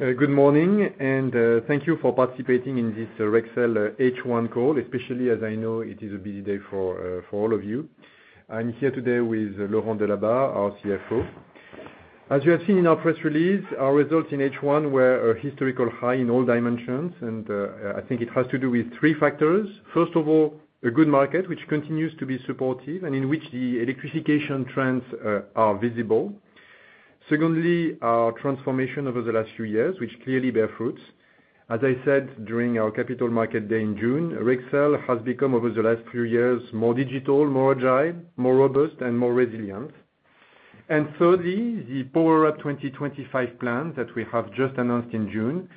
Good morning, and thank you for participating in this Rexel H1 call, especially as I know it is a busy day for all of you. I'm here today with Laurent Delabarre, our CFO. As you have seen in our press release, our results in H1 were a historical high in all dimensions, and I think it has to do with three factors. First of all, a good market which continues to be supportive and in which the electrification trends are visible. Secondly, our transformation over the last few years, which clearly bear fruits. As I said during our capital market day in June, Rexel has become, over the last few years, more digital, more agile, more robust, and more resilient. Thirdly, the Power Up 2025 plan that we have just announced in June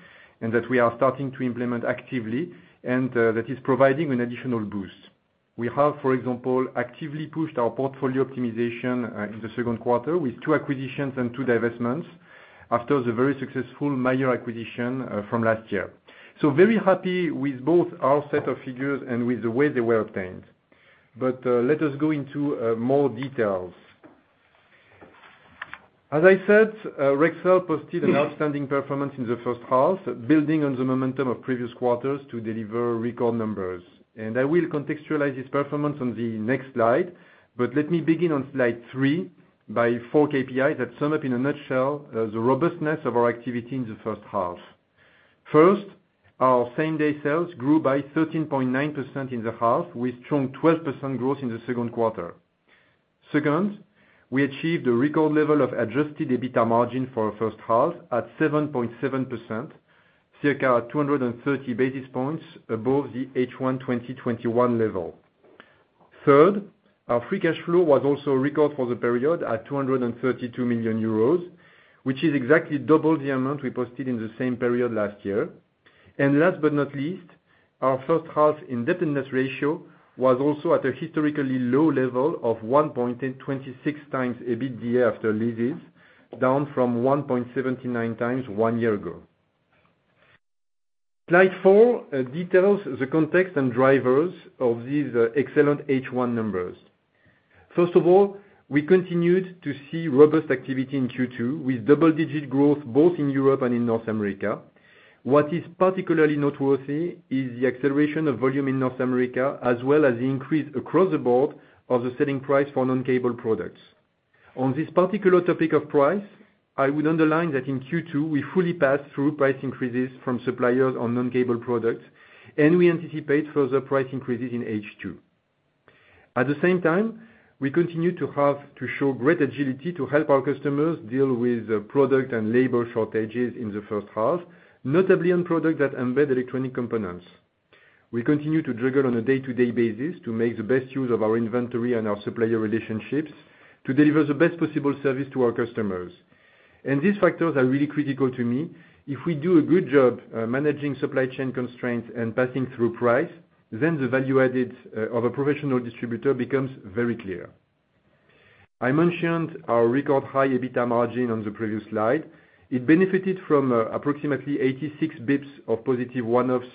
and that we are starting to implement actively and that is providing an additional boost. We have, for example, actively pushed our portfolio optimization in the Q2 with two acquisitions and two divestments after the very successful Mayer acquisition from last year. Very happy with both our set of figures and with the way they were obtained. Let us go into more details. As I said, Rexel posted an outstanding performance in the H1, building on the momentum of previous quarters to deliver record numbers. I will contextualize this performance on the next slide, but let me begin on slide 3 by 4 KPIs that sum up in a nutshell the robustness of our activity in the H1. First, our same-day sales grew by 13.9% in the half, with strong 12% growth in the Q2. Second, we achieved a record level of adjusted EBITDA margin for our H1 at 7.7%, circa 230 basis points above the H1 2021 level. Third, our free cash flow was also a record for the period at 232 million euros, which is exactly double the amount we posted in the same period last year. Last but not least, our H1 indebtedness ratio was also at a historically low level of 1.26x EBITDA after leases, down from 1.79x one year ago. Slide 4 details the context and drivers of these excellent H1 numbers. First of all, we continued to see robust activity in Q2 with double-digit growth both in Europe and in North America. What is particularly noteworthy is the acceleration of volume in North America as well as the increase across the board of the selling price for non-cable products. On this particular topic of price, I would underline that in Q2 we fully passed through price increases from suppliers on non-cable products, and we anticipate further price increases in H2. At the same time, we continue to have to show great agility to help our customers deal with the product and labor shortages in the H1, notably on products that embed electronic components. We continue to juggle on a day-to-day basis to make the best use of our inventory and our supplier relationships to deliver the best possible service to our customers. These factors are really critical to me. If we do a good job managing supply chain constraints and passing through price, then the value added of a professional distributor becomes very clear. I mentioned our record high EBITDA margin on the previous slide. It benefited from approximately 86 basis points of positive one-offs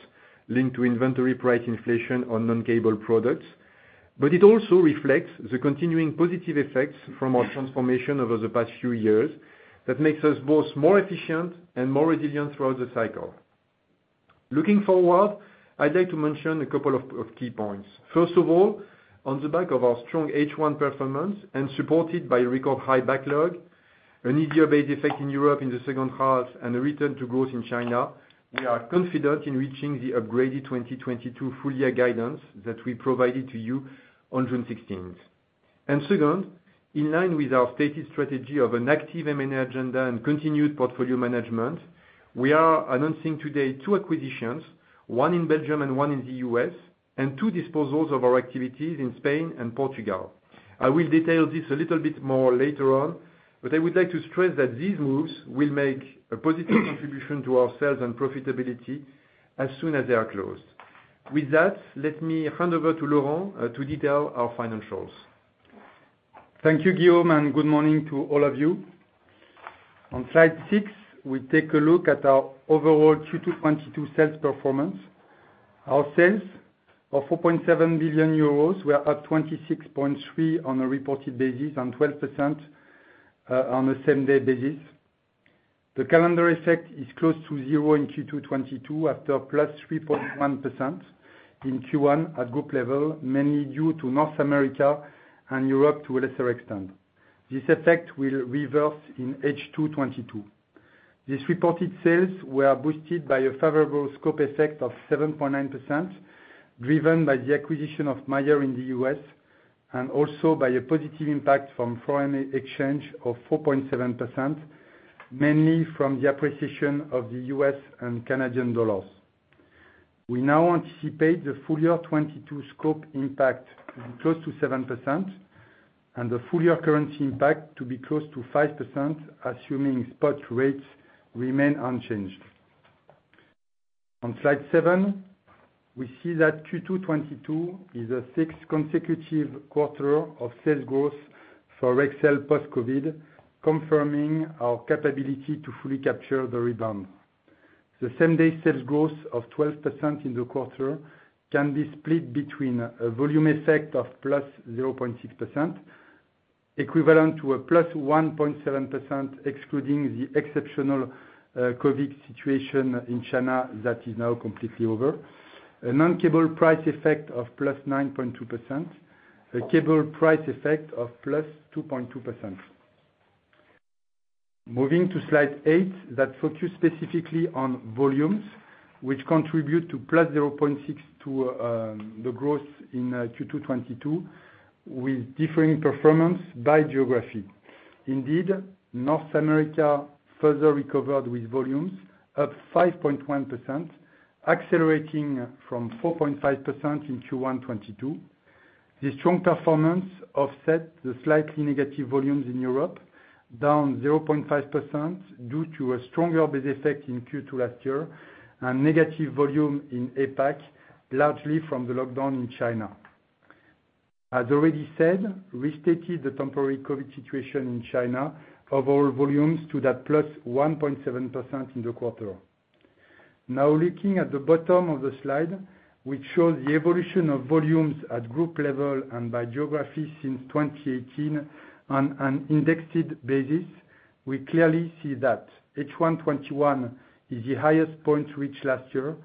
linked to inventory price inflation on non-cable products. It also reflects the continuing positive effects from our transformation over the past few years that makes us both more efficient and more resilient throughout the cycle. Looking forward, I'd like to mention a couple of key points. First of all, on the back of our strong H1 performance and supported by record high backlog, an easier base effect in Europe in the H2, and a return to growth in China, we are confident in reaching the upgraded 2022 full-year guidance that we provided to you on June 16th. Second, in line with our stated strategy of an active M&A agenda and continued portfolio management, we are announcing today two acquisitions, one in Belgium and one in the U.S., and two disposals of our activities in Spain and Portugal. I will detail this a little bit more later on, but I would like to stress that these moves will make a positive contribution to our sales and profitability as soon as they are closed. With that, let me hand over to Laurent to detail our financials. Thank you, Guillaume, and good morning to all of you. On Slide 6, we take a look at our overall Q2 2022 sales performance. Our sales of 4.7 billion euros were up 26.3% on a reported basis and 12% on a same day basis. The calendar effect is close to zero in Q2 2022 after +3.1% in Q1 at group level, mainly due to North America and Europe to a lesser extent. This effect will reverse in H2 2022. These reported sales were boosted by a favorable scope effect of 7.9%, driven by the acquisition of Mayer in the U.S., and also by a positive impact from foreign exchange of 4.7%, mainly from the appreciation of the U.S. and Canadian dollars. We now anticipate the full year 2022 scope impact to be close to 7%, and the full year currency impact to be close to 5%, assuming spot rates remain unchanged. On Slide 7, we see that Q2 2022 is the sixth consecutive quarter of sales growth for Rexel post-COVID, confirming our capability to fully capture the rebound. The same-day sales growth of 12% in the quarter can be split between a volume effect of +0.6%, equivalent to a +1.7% excluding the exceptional COVID situation in China that is now completely over. A non-cable price effect of +9.2%, a cable price effect of +2.2%. Moving to Slide 8, that focus specifically on volumes, which contribute +0.6% to the growth in Q2 2022, with differing performance by geography. Indeed, North America further recovered with volumes up 5.1%, accelerating from 4.5% in Q1 2022. The strong performance offset the slightly negative volumes in Europe, down 0.5% due to a stronger base effect in Q2 last year, and negative volume in APAC, largely from the lockdown in China. As already said, the temporary COVID situation in China, overall volumes stood at +1.7% in the quarter. Now looking at the bottom of the slide, which shows the evolution of volumes at group level and by geography since 2018 on an indexed basis, we clearly see that H1 2021 is the highest point reached last year,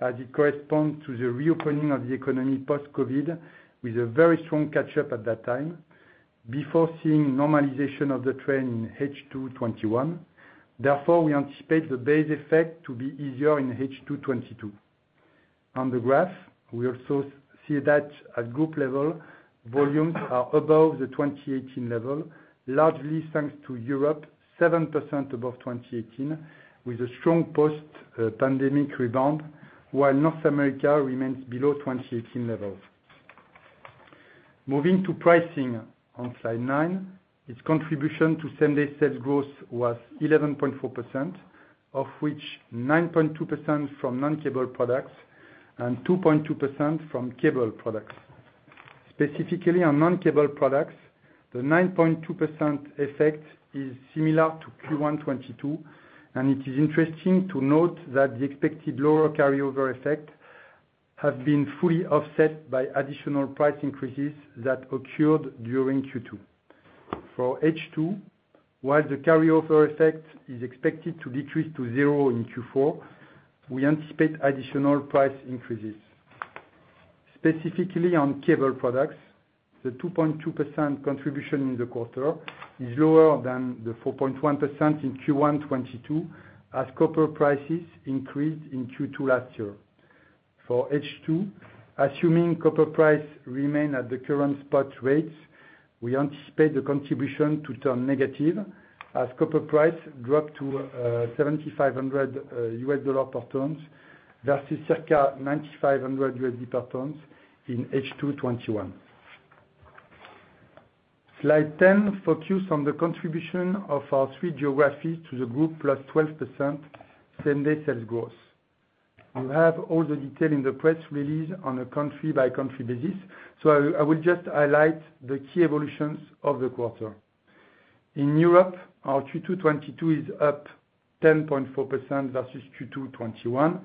as it corresponds to the reopening of the economy post-COVID, with a very strong catch up at that time, before seeing normalization of the trend in H2 2021. Therefore, we anticipate the base effect to be easier in H2 2022. On the graph, we also see that at group level, volumes are above the 2018 level, largely thanks to Europe, 7% above 2018, with a strong post-pandemic rebound, while North America remains below 2018 levels. Moving to pricing on Slide 9, its contribution to same-day sales growth was 11.4%, of which 9.2% from non-cable products and 2.2% from cable products. Specifically on non-cable products, the 9.2% effect is similar to Q1 2022. It is interesting to note that the expected lower carryover effect has been fully offset by additional price increases that occurred during Q2. For H2, while the carryover effect is expected to decrease to zero in Q4, we anticipate additional price increases. Specifically on cable products, the 2.2% contribution in the quarter is lower than the 4.1% in Q1 2022 as copper prices increased in Q2 last year. For H2, assuming copper price remain at the current spot rates, we anticipate the contribution to turn negative as copper price dropped to $7,500 U.S. dollar per tons versus circa $9,500 U.S. dollar per tons in H2 2021. Slide 10 focus on the contribution of our three geographies to the group +12% same-day sales growth. You have all the detail in the press release on a country-by-country basis, so I will just highlight the key evolutions of the quarter. In Europe, our Q2 2022 is up 10.4% versus Q2 2021,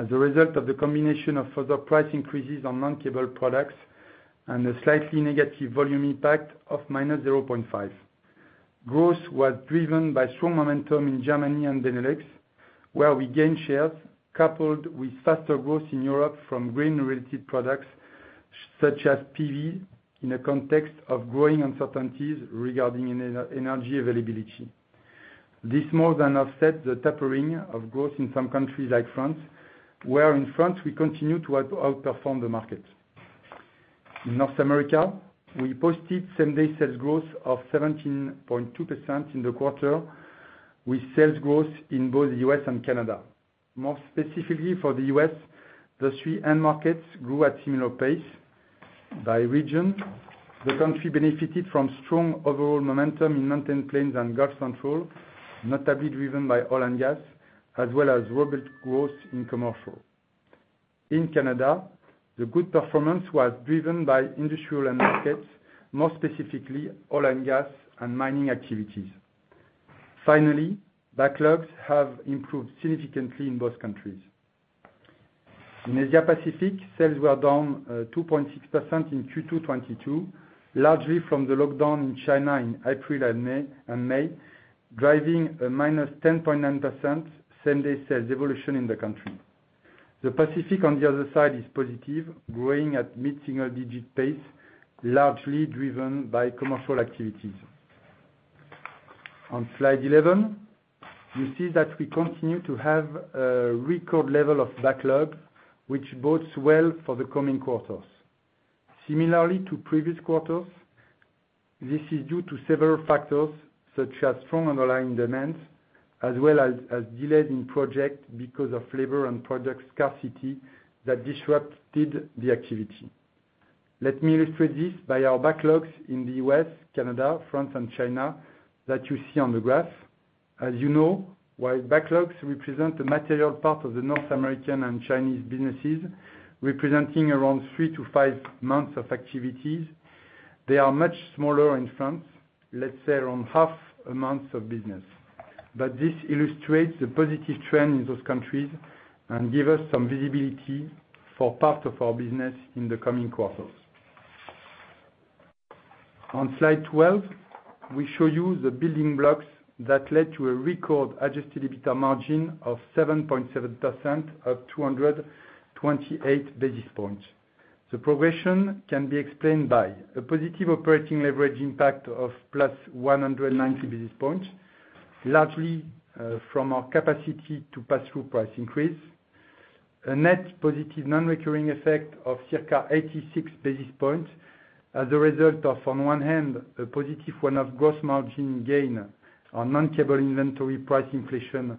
as a result of the combination of further price increases on non-cable products and a slightly negative volume impact of -0.5. Growth was driven by strong momentum in Germany and Benelux, where we gained shares coupled with faster growth in Europe from green-related products such as PV, in a context of growing uncertainties regarding energy availability. This more than offset the tapering of growth in some countries like France, where in France we continue to outperform the market. In North America, we posted same-day sales growth of 17.2% in the quarter with sales growth in both the U.S. and Canada. More specifically for the U.S., the three end markets grew at similar pace by region. The country benefited from strong overall momentum in Mountain Plains and Gulf Central, notably driven by oil and gas, as well as robust growth in commercial. In Canada, the good performance was driven by industrial end markets, more specifically oil and gas and mining activities. Finally, backlogs have improved significantly in both countries. In Asia Pacific, sales were down 2.6% in Q2 2022, largely from the lockdown in China in April and May, driving a -10.9% same-day sales evolution in the country. The Pacific, on the other side, is positive, growing at mid-single digit pace, largely driven by commercial activities. On Slide 11, you see that we continue to have a record level of backlog, which bodes well for the coming quarters. Similarly to previous quarters, this is due to several factors, such as strong underlying demand, as well as delays in projects because of labor and product scarcity that disrupted the activities. Let me illustrate this by our backlogs in the U.S., Canada, France, and China that you see on the graph. As you know, while backlogs represent a material part of the North American and Chinese businesses, representing around three-five months of activities. They are much smaller in France, let's say around half amounts of business. This illustrates the positive trend in those countries and give us some visibility for part of our business in the coming quarters. On Slide 12, we show you the building blocks that led to a record adjusted EBITDA margin of 7.7%, up 228 basis points. The progression can be explained by a positive operating leverage impact of +190 basis points, largely, from our capacity to pass through price increase. A net positive non-recurring effect of circa 86 basis points as a result of, on one hand, a positive one-off gross margin gain on non-cable inventory price inflation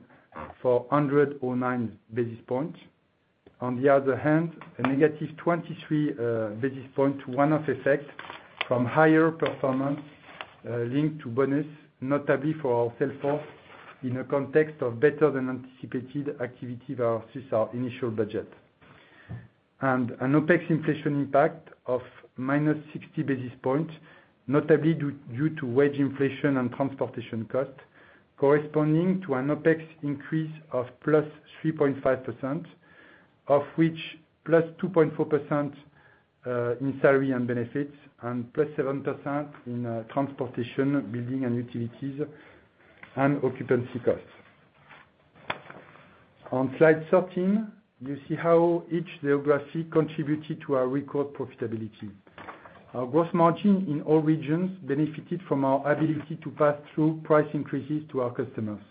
for 109 basis points. On the other hand, a negative 23 basis point one-off effect from higher performance linked to bonus, notably for our sales force, in a context of better than anticipated activity versus our initial budget. An OpEx inflation impact of -60 basis points, notably due to wage inflation and transportation costs corresponding to an OpEx increase of +3.5%, of which +2.4% in salary and benefits, and +7% in transportation, building and utilities, and occupancy costs. On Slide 13, you see how each geography contributed to our record profitability. Our gross margin in all regions benefited from our ability to pass through price increases to our customers.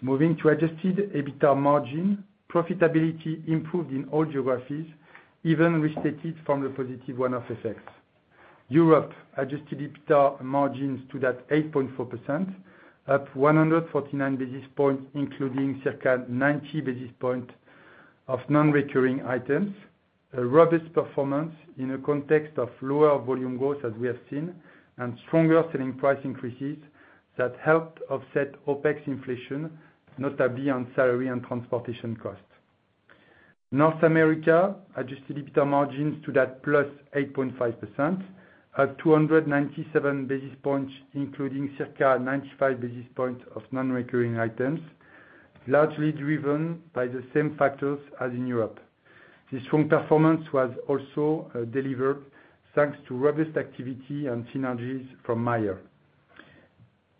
Moving to adjusted EBITDA margin, profitability improved in all geographies, even restated from the positive one-off effects. Europe adjusted EBITDA margins stood at 8.4%, up 149 basis points, including circa 90 basis points of non-recurring items. A robust performance in a context of lower volume growth, as we have seen, and stronger selling price increases that helped offset OpEx inflation, notably on salary and transportation costs. North America adjusted EBITDA margins stood at +8.5% at 297 basis points, including circa 95 basis points of non-recurring items, largely driven by the same factors as in Europe. This strong performance was also delivered thanks to robust activity and synergies from Mayer.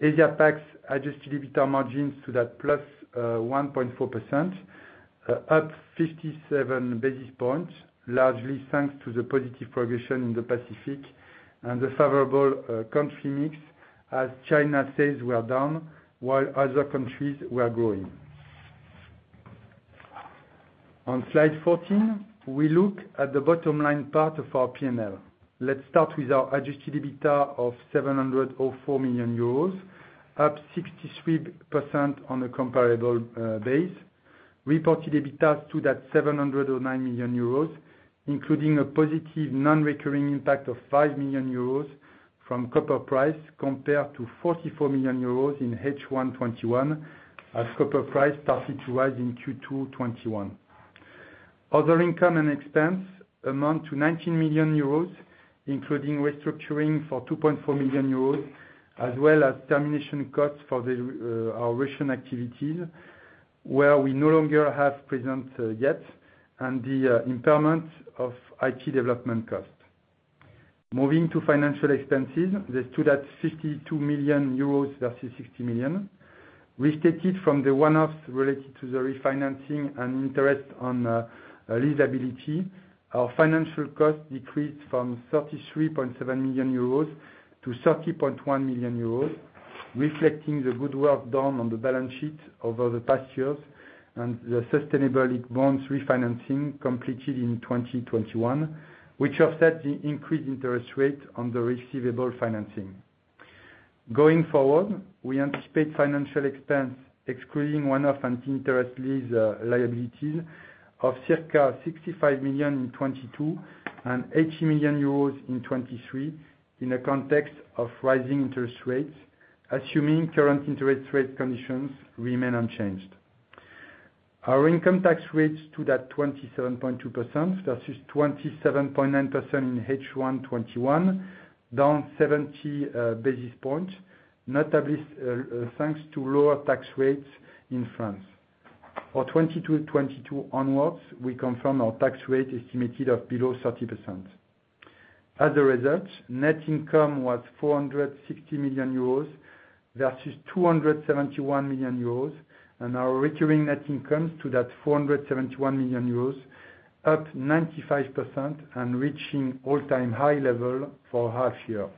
Asia-Pac's adjusted EBITDA margins stood at +1.4%, up 57 basis points, largely thanks to the positive progression in the Pacific and the favorable country mix as China sales were down while other countries were growing. On Slide 14, we look at the bottom line part of our P&L. Let's start with our adjusted EBITDA of 704 million euros, up 63% on a comparable base. Reported EBITDA stood at 709 million euros, including a positive non-recurring impact of 5 million euros from copper price compared to 44 million euros in H1 2021 as copper price started to rise in Q2 2021. Other income and expense amount to 19 million euros, including restructuring for 2.4 million euros, as well as termination costs for our Russian activities, where we no longer have presence yet, and the impairment of IT development costs. Moving to financial expenses, they stood at 52 million euros versus 60 million. Restated from the one-offs related to the refinancing and interest on lease liability. Our financial costs decreased from 33.7 million euros to 30.1 million euros, reflecting the good work done on the balance sheet over the past years and the sustainable bonds refinancing completed in 2021, which offset the increased interest rate on the receivable financing. Going forward, we anticipate financial expense, excluding one-off and interest lease liabilities of circa 65 million in 2022 and 80 million euros in 2023 in the context of rising interest rates, assuming current interest rate conditions remain unchanged. Our income tax rates stood at 27.2% versus 27.9% in H1 2021, down 70 basis points, notably thanks to lower tax rates in France. For 2022 onwards, we confirm our tax rate estimated of below 30%. As a result, net income was 460 million euros versus 271 million euros, and our recurring net income stood at 471 million euros, up 95% and reaching all-time high level for half year.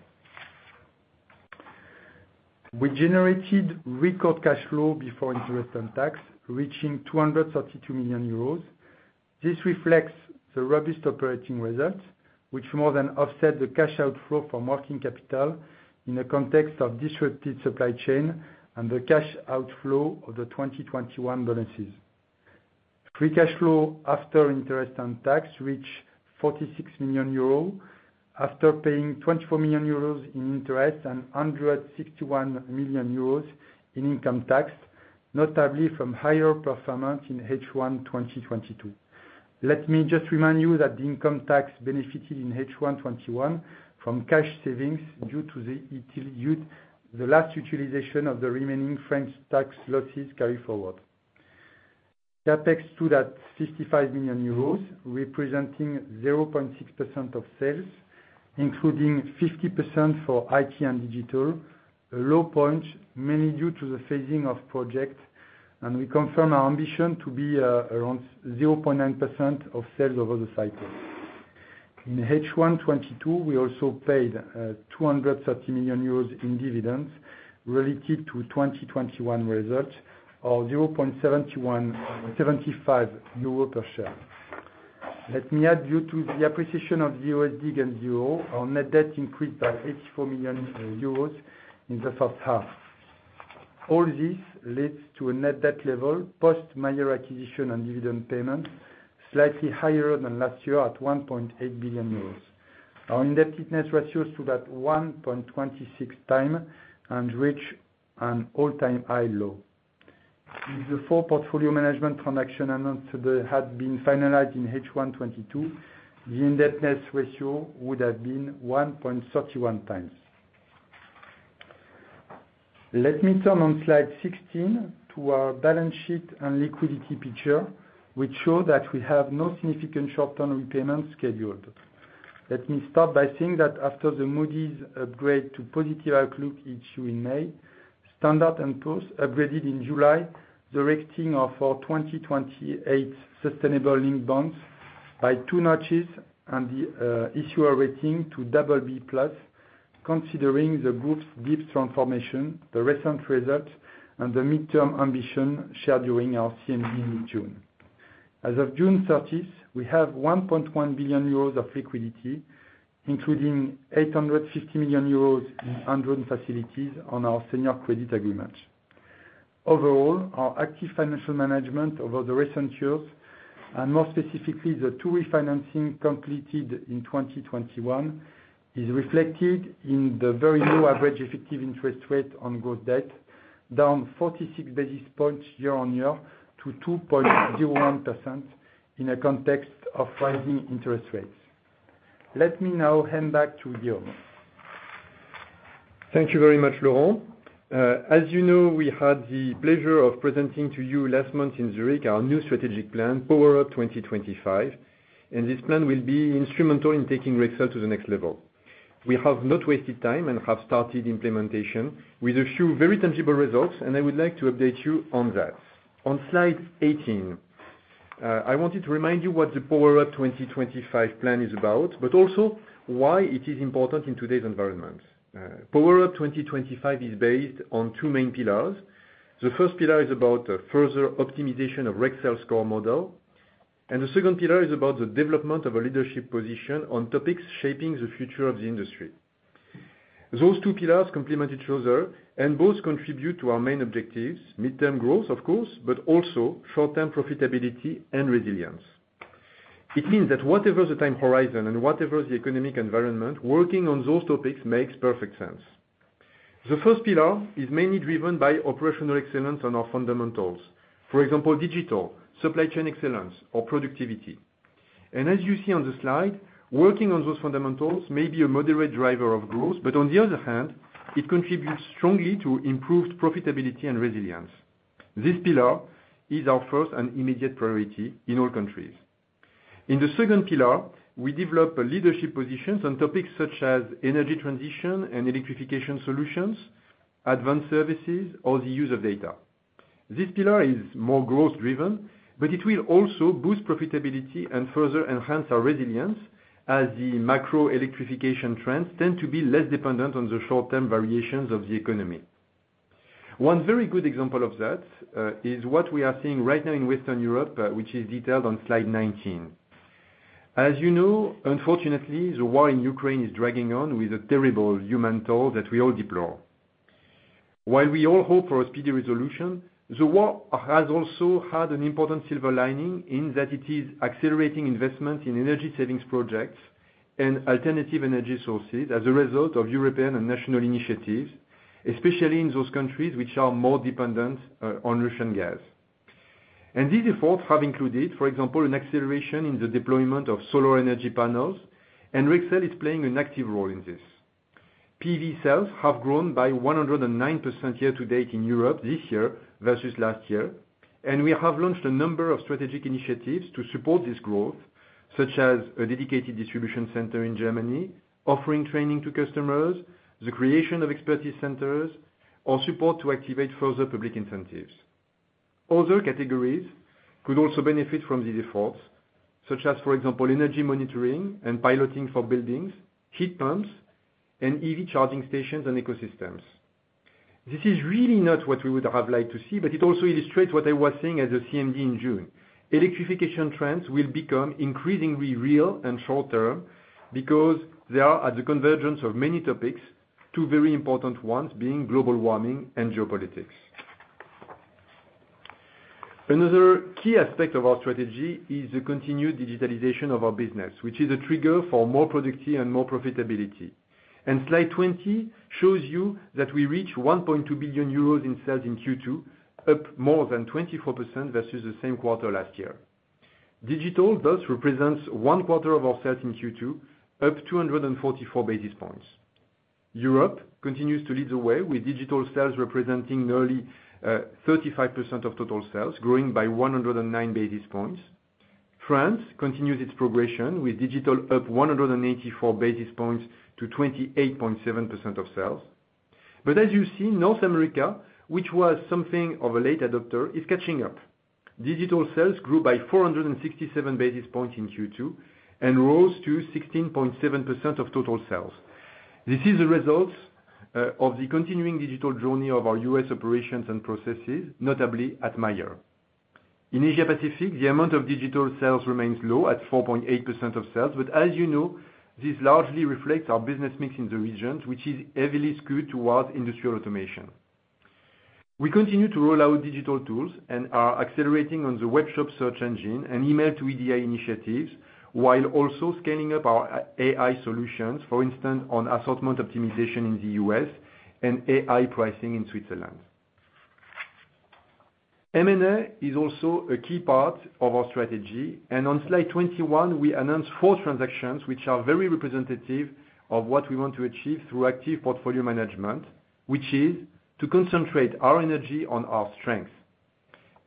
We generated record cash flow before interest and tax, reaching 232 million euros. This reflects the robust operating results, which more than offset the cash outflow from working capital in the context of disrupted supply chain and the cash outflow of the 2021 bonuses. Free cash flow after interest and tax reached 46 million euros after paying 24 million euros in interest and 161 million euros in income tax. Notably from higher performance in H1 2022. Let me just remind you that the income tax benefited in H1 2021 from cash savings due to the last utilization of the remaining French tax losses carry forward. CapEx stood at 55 million euros, representing 0.6% of sales, including 50% for IT and digital. A low point, mainly due to the phasing of projects, and we confirm our ambition to be around 0.9% of sales over the cycle. In H1 2022, we also paid 230 million euros in dividends related to 2021 results or 0.75 euro per share. Let me add that to the appreciation of the USD and CAD. Our net debt increased by 84 million euros in the H1. All this leads to a net debt level post-merger acquisition and dividend payment, slightly higher than last year at 1.8 billion euros. Our indebtedness ratios stood at 1.26x and reached an all-time low. If the portfolio management transaction announced today had been finalized in H1 2022, the indebtedness ratio would have been 1.31x. Let me turn to Slide 16 to our balance sheet and liquidity picture, which shows that we have no significant short-term repayments scheduled. Let me start by saying that after the Moody's upgrade to positive outlook issued in May, Standard & Poor's upgraded in July the rating of our 2028 sustainable linked bonds by two notches and the issuer rating to BB+, considering the group's deep transformation, the recent results, and the mid-term ambition shared during our CMD in June. As of June 30, we have 1.1 billion euros of liquidity, including 850 million euros in undrawn facilities on our senior credit agreements. Overall, our active financial management over the recent years, and more specifically, the two refinancing completed in 2021, is reflected in the very low average effective interest rate on gross debt, down 46 basis points year-on-year to 2.01% in a context of rising interest rates. Let me now hand back to Guillaume. Thank you very much, Laurent. As you know, we had the pleasure of presenting to you last month in Zurich our new strategic plan, Power Up 2025, and this plan will be instrumental in taking Rexel to the next level. We have not wasted time and have started implementation with a few very tangible results, and I would like to update you on that. On Slide 18, I wanted to remind you what the Power Up 2025 plan is about, but also why it is important in today's environment. Power Up 2025 is based on two main pillars. The first pillar is about further optimization of Rexel's core model, and the second pillar is about the development of a leadership position on topics shaping the future of the industry. Those two pillars complement each other and both contribute to our main objectives, midterm growth, of course, but also short-term profitability and resilience. It means that whatever the time horizon and whatever the economic environment, working on those topics makes perfect sense. The first pillar is mainly driven by operational excellence on our fundamentals. For example, digital, supply chain excellence or productivity. As you see on the slide, working on those fundamentals may be a moderate driver of growth, but on the other hand, it contributes strongly to improved profitability and resilience. This pillar is our first and immediate priority in all countries. In the second pillar, we develop leadership positions on topics such as energy transition and electrification solutions, advanced services, or the use of data. This pillar is more growth driven, but it will also boost profitability and further enhance our resilience as the macro electrification trends tend to be less dependent on the short-term variations of the economy. One very good example of that is what we are seeing right now in Western Europe, which is detailed on Slide 19. As you know, unfortunately, the war in Ukraine is dragging on with a terrible human toll that we all deplore. While we all hope for a speedy resolution, the war has also had an important silver lining in that it is accelerating investment in energy savings projects and alternative energy sources as a result of European and national initiatives, especially in those countries which are more dependent on Russian gas. These efforts have included, for example, an acceleration in the deployment of solar energy panels, and Rexel is playing an active role in this. PV cells have grown by 109% year to date in Europe this year versus last year, and we have launched a number of strategic initiatives to support this growth, such as a dedicated distribution center in Germany, offering training to customers, the creation of expertise centers or support to activate further public incentives. Other categories could also benefit from these efforts, such as, for example, energy monitoring and piloting for buildings, heat pumps and EV charging stations and ecosystems. This is really not what we would have liked to see, but it also illustrates what I was saying at the CMD in June. Electrification trends will become increasingly real and short-term because they are at the convergence of many topics, two very important ones being global warming and geopolitics. Another key aspect of our strategy is the continued digitalization of our business, which is a trigger for more productivity and more profitability. Slide 20 shows you that we reach 1.2 billion euros in sales in Q2, up more than 24% versus the same quarter last year. Digital thus represents one quarter of our sales in Q2, up 244 basis points. Europe continues to lead the way, with digital sales representing nearly 35% of total sales, growing by 109 basis points. France continues its progression, with digital up 184 basis points to 28.7% of sales. As you see, North America, which was something of a late adopter, is catching up. Digital sales grew by 467 basis points in Q2 and rose to 16.7% of total sales. This is a result of the continuing digital journey of our U.S. operations and processes, notably at Mayer. In Asia-Pacific, the amount of digital sales remains low at 4.8% of sales. As you know, this largely reflects our business mix in the region, which is heavily skewed towards industrial automation. We continue to roll out digital tools and are accelerating on the webshop search engine and email-to-EDI initiatives while also scaling up our AI solutions, for instance, on assortment optimization in the U.S. and AI pricing in Switzerland. M&A is also a key part of our strategy, and on Slide 21, we announce four transactions which are very representative of what we want to achieve through active portfolio management, which is to concentrate our energy on our strength.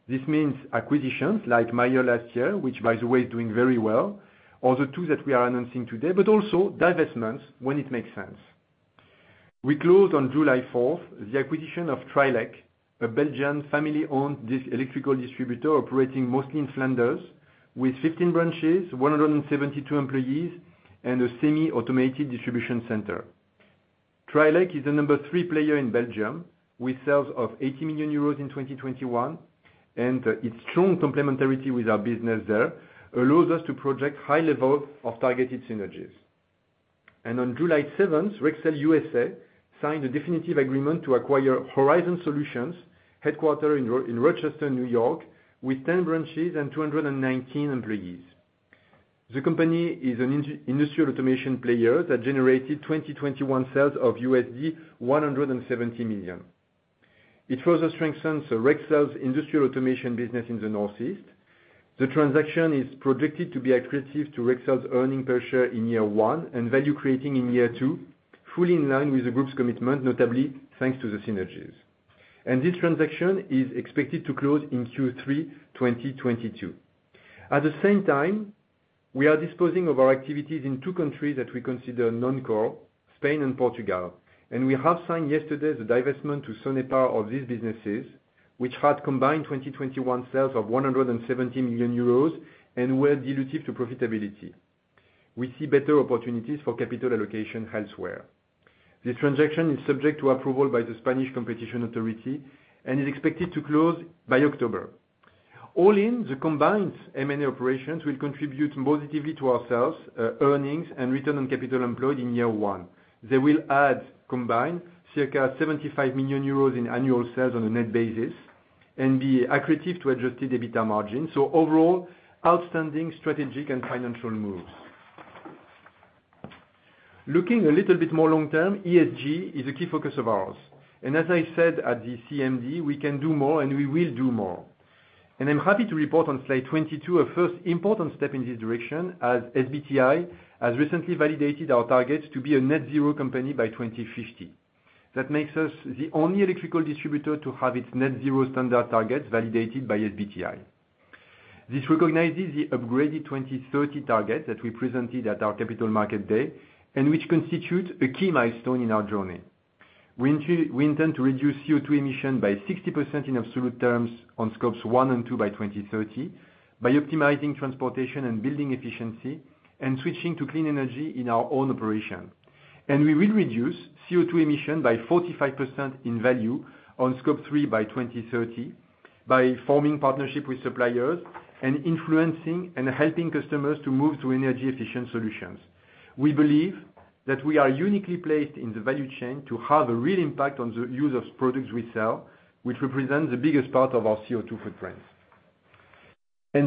This means acquisitions like Mayer last year, which by the way, is doing very well, or the two that we are announcing today, but also divestments when it makes sense. We closed on July 4th, the acquisition of Trilec, a Belgian family-owned electrical distributor operating mostly in Flanders with 15 branches, 172 employees, and a semi-automated distribution center. Trilec is the number three player in Belgium with sales of 80 million euros in 2021, and its strong complementarity with our business there allows us to project high levels of targeted synergies. On July 7th, Rexel USA signed a definitive agreement to acquire Horizon Solutions, headquartered in Rochester, New York, with 10 branches and 219 employees. The company is an industrial automation player that generated 2021 sales of $170 million. It further strengthens Rexel's industrial automation business in the Northeast. The transaction is projected to be accretive to Rexel's earnings per share in year one and value-creating in year two, fully in line with the group's commitment, notably thanks to the synergies. This transaction is expected to close in Q3 2022. At the same time, we are disposing of our activities in two countries that we consider non-core, Spain and Portugal. We have signed yesterday the divestment to Sonepar of these businesses, which had combined 2021 sales of 170 million euros and were dilutive to profitability. We see better opportunities for capital allocation elsewhere. This transaction is subject to approval by the Spanish competition authority and is expected to close by October. All in, the combined M&A operations will contribute positively to our sales, earnings, and return on capital employed in year one. They will add combined circa 75 million euros in annual sales on a net basis and be accretive to adjusted EBITDA margin. Overall, outstanding strategic and financial moves. Looking a little bit more long-term, ESG is a key focus of ours. As I said at the CMD, we can do more, and we will do more. I'm happy to report on Slide 22 a first important step in this direction as SBTi has recently validated our target to be a net-zero company by 2050. That makes us the only electrical distributor to have its net-zero standard target validated by SBTi. This recognizes the upgraded 2030 target that we presented at our Capital Market Day and which constitutes a key milestone in our journey. We intend to reduce CO2 emission by 60% in absolute terms on Scopes one and two by 2030 by optimizing transportation and building efficiency and switching to clean energy in our own operation. We will reduce CO2 emission by 45% in value on Scope three by 2030 by forming partnership with suppliers and influencing and helping customers to move to energy-efficient solutions. We believe that we are uniquely placed in the value chain to have a real impact on the use of products we sell, which represent the biggest part of our CO2 footprint.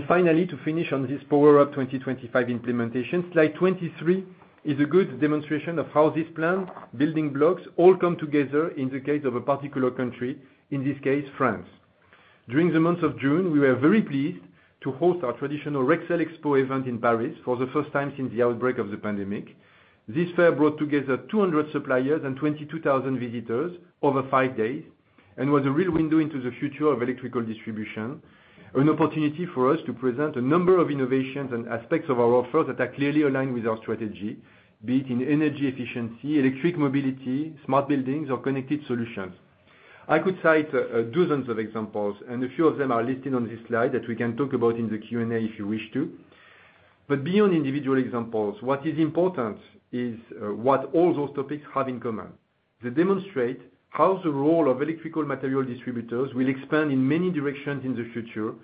Finally, to finish on this Power Up 2025 implementation, Slide 23 is a good demonstration of how this plan, building blocks all come together in the case of a particular country, in this case, France. During the month of June, we were very pleased to host our traditional Rexel Expo event in Paris for the first time since the outbreak of the pandemic. This fair brought together 200 suppliers and 22,000 visitors over five days and was a real window into the future of electrical distribution, an opportunity for us to present a number of innovations and aspects of our offer that are clearly aligned with our strategy, be it in energy efficiency, electric mobility, smart buildings, or connected solutions. I could cite dozens of examples, and a few of them are listed on this slide that we can talk about in the Q&A if you wish to. Beyond individual examples, what is important is what all those topics have in common. They demonstrate how the role of electrical material distributors will expand in many directions in the future,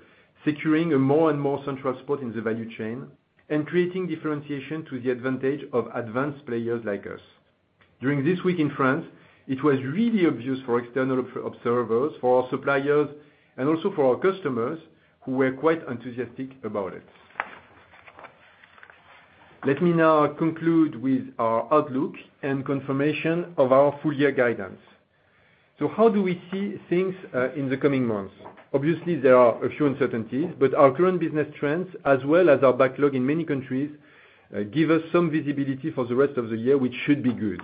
securing a more and more central spot in the value chain and creating differentiation to the advantage of advanced players like us. During this week in France, it was really obvious for external observers, for our suppliers, and also for our customers, who were quite enthusiastic about it. Let me now conclude with our outlook and confirmation of our full year guidance. How do we see things in the coming months? Obviously, there are a few uncertainties, but our current business trends, as well as our backlog in many countries, give us some visibility for the rest of the year, which should be good.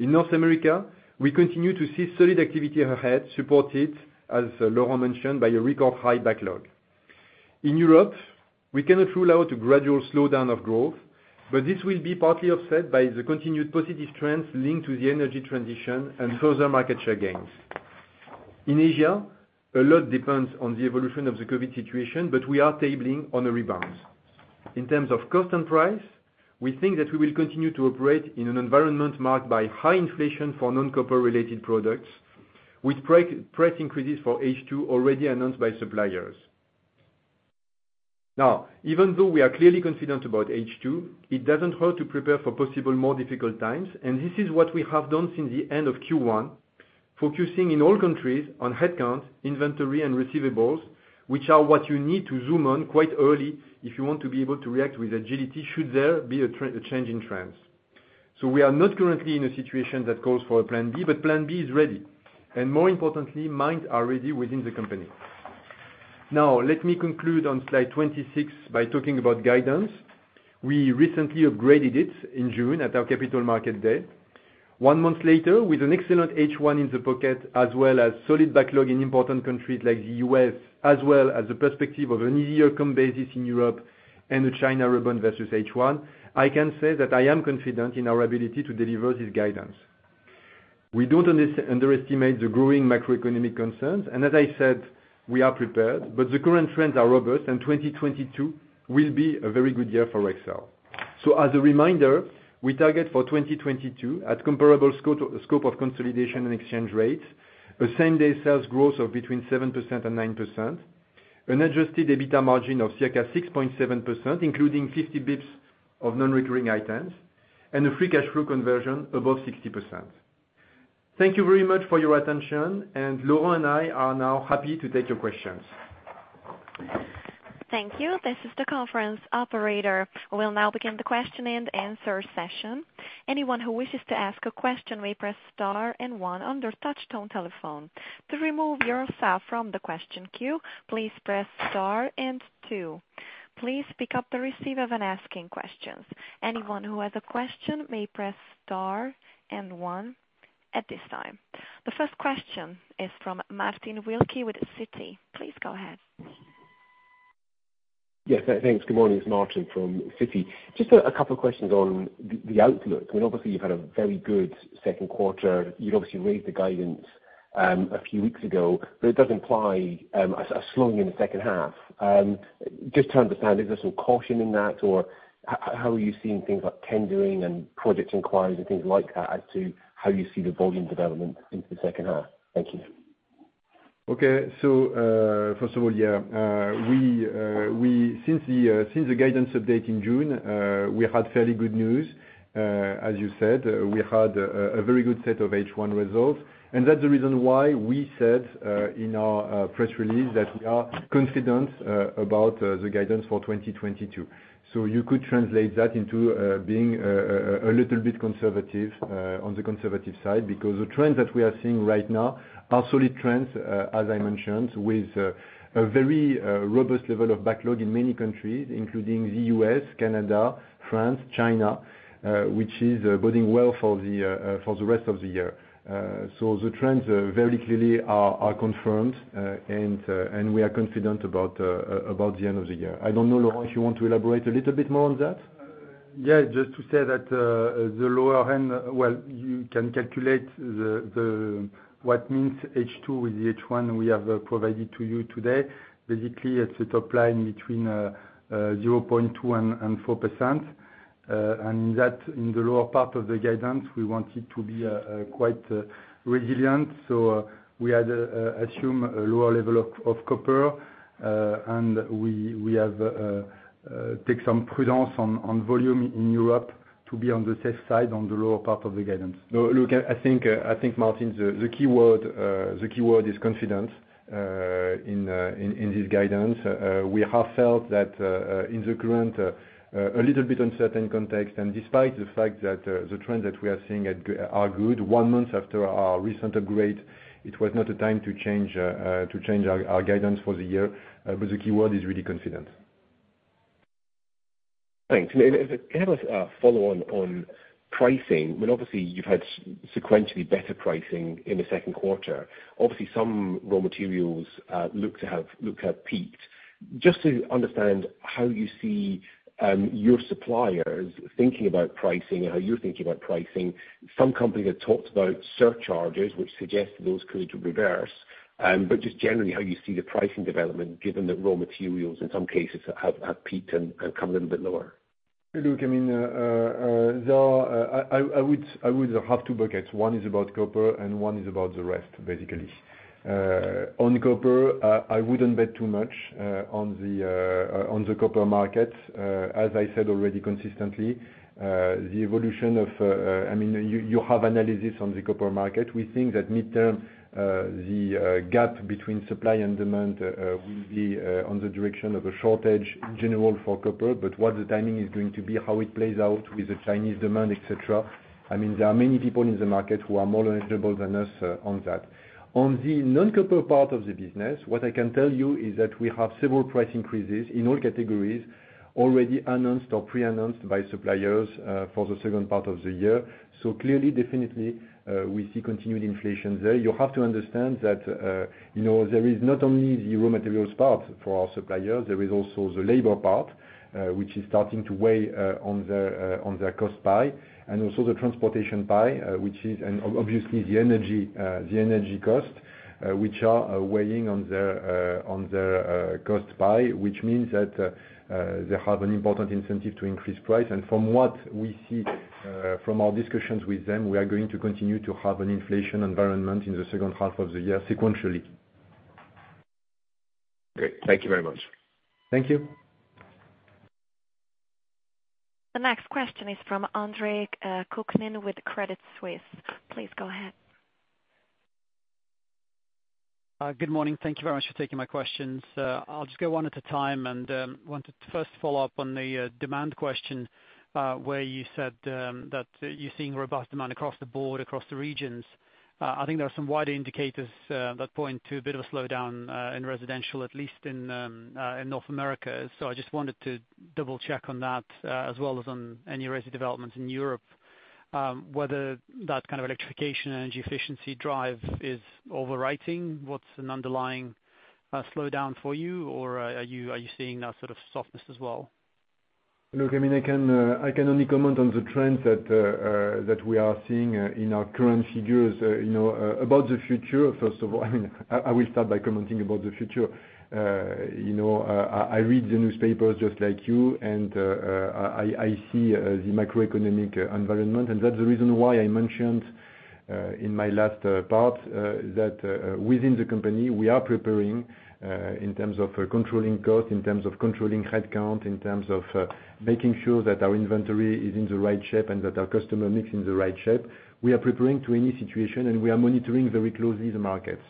In North America, we continue to see solid activity ahead, supported, as Laurent mentioned, by a record high backlog. In Europe, we cannot rule out a gradual slowdown of growth, but this will be partly offset by the continued positive trends linked to the energy transition and further market share gains. In Asia, a lot depends on the evolution of the COVID situation, but we are banking on a rebound. In terms of cost and price, we think that we will continue to operate in an environment marked by high inflation for non-copper related products with price increases for H2 already announced by suppliers. Now, even though we are clearly confident about H2, it doesn't hurt to prepare for possible more difficult times, and this is what we have done since the end of Q1, focusing in all countries on headcount, inventory and receivables, which are what you need to zoom on quite early if you want to be able to react with agility should there be a change in trends. We are not currently in a situation that calls for a plan B, but plan B is ready. More importantly, minds are ready within the company. Now, let me conclude on slide 26 by talking about guidance. We recently upgraded it in June at our Capital Market Day. One month later, with an excellent H1 in the pocket, as well as solid backlog in important countries like the U.S., as well as the perspective of an easier comp basis in Europe and the China rebound versus H1, I can say that I am confident in our ability to deliver this guidance. We don't underestimate the growing macroeconomic concerns, and as I said, we are prepared, but the current trends are robust, and 2022 will be a very good year for Rexel. As a reminder, we target for 2022 at comparable scope of consolidation and exchange rates, the same day sales growth of between 7% and 9%, an adjusted EBITDA margin of circa 6.7%, including 50 basis points of non-recurring items, and a free cash flow conversion above 60%. Thank you very much for your attention, and Laurent and I are now happy to take your questions. Thank you. This is the conference operator. We'll now begin the question-and-answer session. Anyone who wishes to ask a question may press star and one on their touchtone telephone. To remove yourself from the question queue, please press star and two. Please pick up the receiver when asking questions. Anyone who has a question may press star and one at this time. The first question is from Martin Wilkie with Citi. Please go ahead. Yes, thanks. Good morning. It's Martin from Citi. Just a couple of questions on the outlook. I mean, obviously you've had a very good Q2. You'd obviously raised the guidance a few weeks ago, but it does imply a slowing in the H2. Just to understand, is there some caution in that? Or how are you seeing things like tendering and project inquiries and things like that as to how you see the volume development into the H2? Thank you. Okay. First of all, yeah, since the guidance update in June, we had fairly good news. As you said, we had a very good set of H1 results. That's the reason why we said in our press release that we are confident about the guidance for 2022. You could translate that into being a little bit conservative on the conservative side, because the trends that we are seeing right now are solid trends, as I mentioned, with a very robust level of backlog in many countries, including the U.S., Canada, France, China, which is boding well for the rest of the year. So the trends very clearly are confirmed. We are confident about the end of the year. I don't know, Laurent, if you want to elaborate a little bit more on that. Yeah. Just to say that, the lower end, well, you can calculate what H2 means with the H1 we have provided to you today. Basically, it's a top line between 0.2%-4%. That in the lower part of the guidance, we want it to be quite resilient. We have assumed a lower level of copper and we have taken some prudence on volume in Europe to be on the safe side on the lower part of the guidance. No, look, I think, Martin, the key word is confidence in this guidance. We have felt that in the current a little bit uncertain context, and despite the fact that the trend that we are seeing are good one month after our recent upgrade, it was not a time to change our guidance for the year. The key word is really confidence. Thanks. Can I have a follow-on on pricing? I mean, obviously you've had sequentially better pricing in the Q2. Obviously, some raw materials look to have peaked. Just to understand how you see your suppliers thinking about pricing and how you're thinking about pricing. Some companies have talked about surcharges, which suggest those could reverse. Just generally how you see the pricing development given that raw materials in some cases have peaked and come a little bit lower. Look, I mean, there are, I would have two buckets. One is about copper and one is about the rest, basically. On copper, I wouldn't bet too much on the copper market. As I said already consistently, the evolution of, I mean, you have analysis on the copper market. We think that midterm, the gap between supply and demand will be on the direction of a general shortage for copper. What the timing is going to be, how it plays out with the Chinese demand, et cetera, I mean, there are many people in the market who are more knowledgeable than us on that. On the non-copper part of the business, what I can tell you is that we have several price increases in all categories already announced or pre-announced by suppliers for the second part of the year. Clearly, definitely, we see continued inflation there. You have to understand that, you know, there is not only the raw materials part for our suppliers, there is also the labor part, which is starting to weigh on the cost side, and also the transportation side, and obviously the energy cost, which are weighing on the cost side, which means that they have an important incentive to increase price. From what we see, from our discussions with them, we are going to continue to have an inflation environment in the H2 of the year sequentially. Great. Thank you very much. Thank you. The next question is from Andre Kukhnin with Credit Suisse. Please go ahead. Good morning. Thank you very much for taking my questions. I'll just go one at a time. Wanted to first follow up on the demand question, where you said that you're seeing robust demand across the board, across the regions. I think there are some wider indicators that point to a bit of a slowdown in residential, at least in North America. I just wanted to double check on that, as well as on any recent developments in Europe, whether that kind of electrification energy efficiency drive is overriding what's an underlying slowdown for you, or are you seeing that sort of softness as well? Look, I mean, I can only comment on the trends that we are seeing in our current figures. You know, about the future, first of all, I mean, I will start by commenting about the future. You know, I read the newspapers just like you, and I see the macroeconomic environment. That's the reason why I mentioned in my last part that within the company, we are preparing in terms of controlling cost, in terms of controlling headcount, in terms of making sure that our inventory is in the right shape and that our customer mix in the right shape. We are preparing to any situation, and we are monitoring very closely the markets.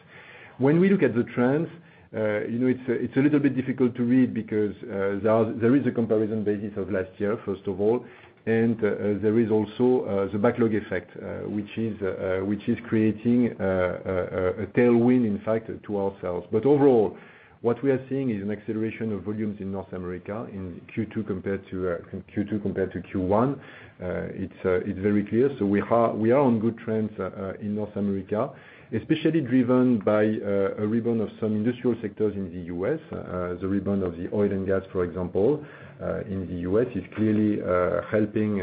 When we look at the trends, you know, it's a little bit difficult to read because there is a comparison basis of last year, first of all, and there is also the backlog effect, which is creating a tailwind, in fact, to ourselves. Overall, what we are seeing is an acceleration of volumes in North America in Q2 compared to Q1. It's very clear. We are on good trends in North America, especially driven by a rebound of some industrial sectors in the US. The rebound of the oil and gas, for example, in the U.S. is clearly helping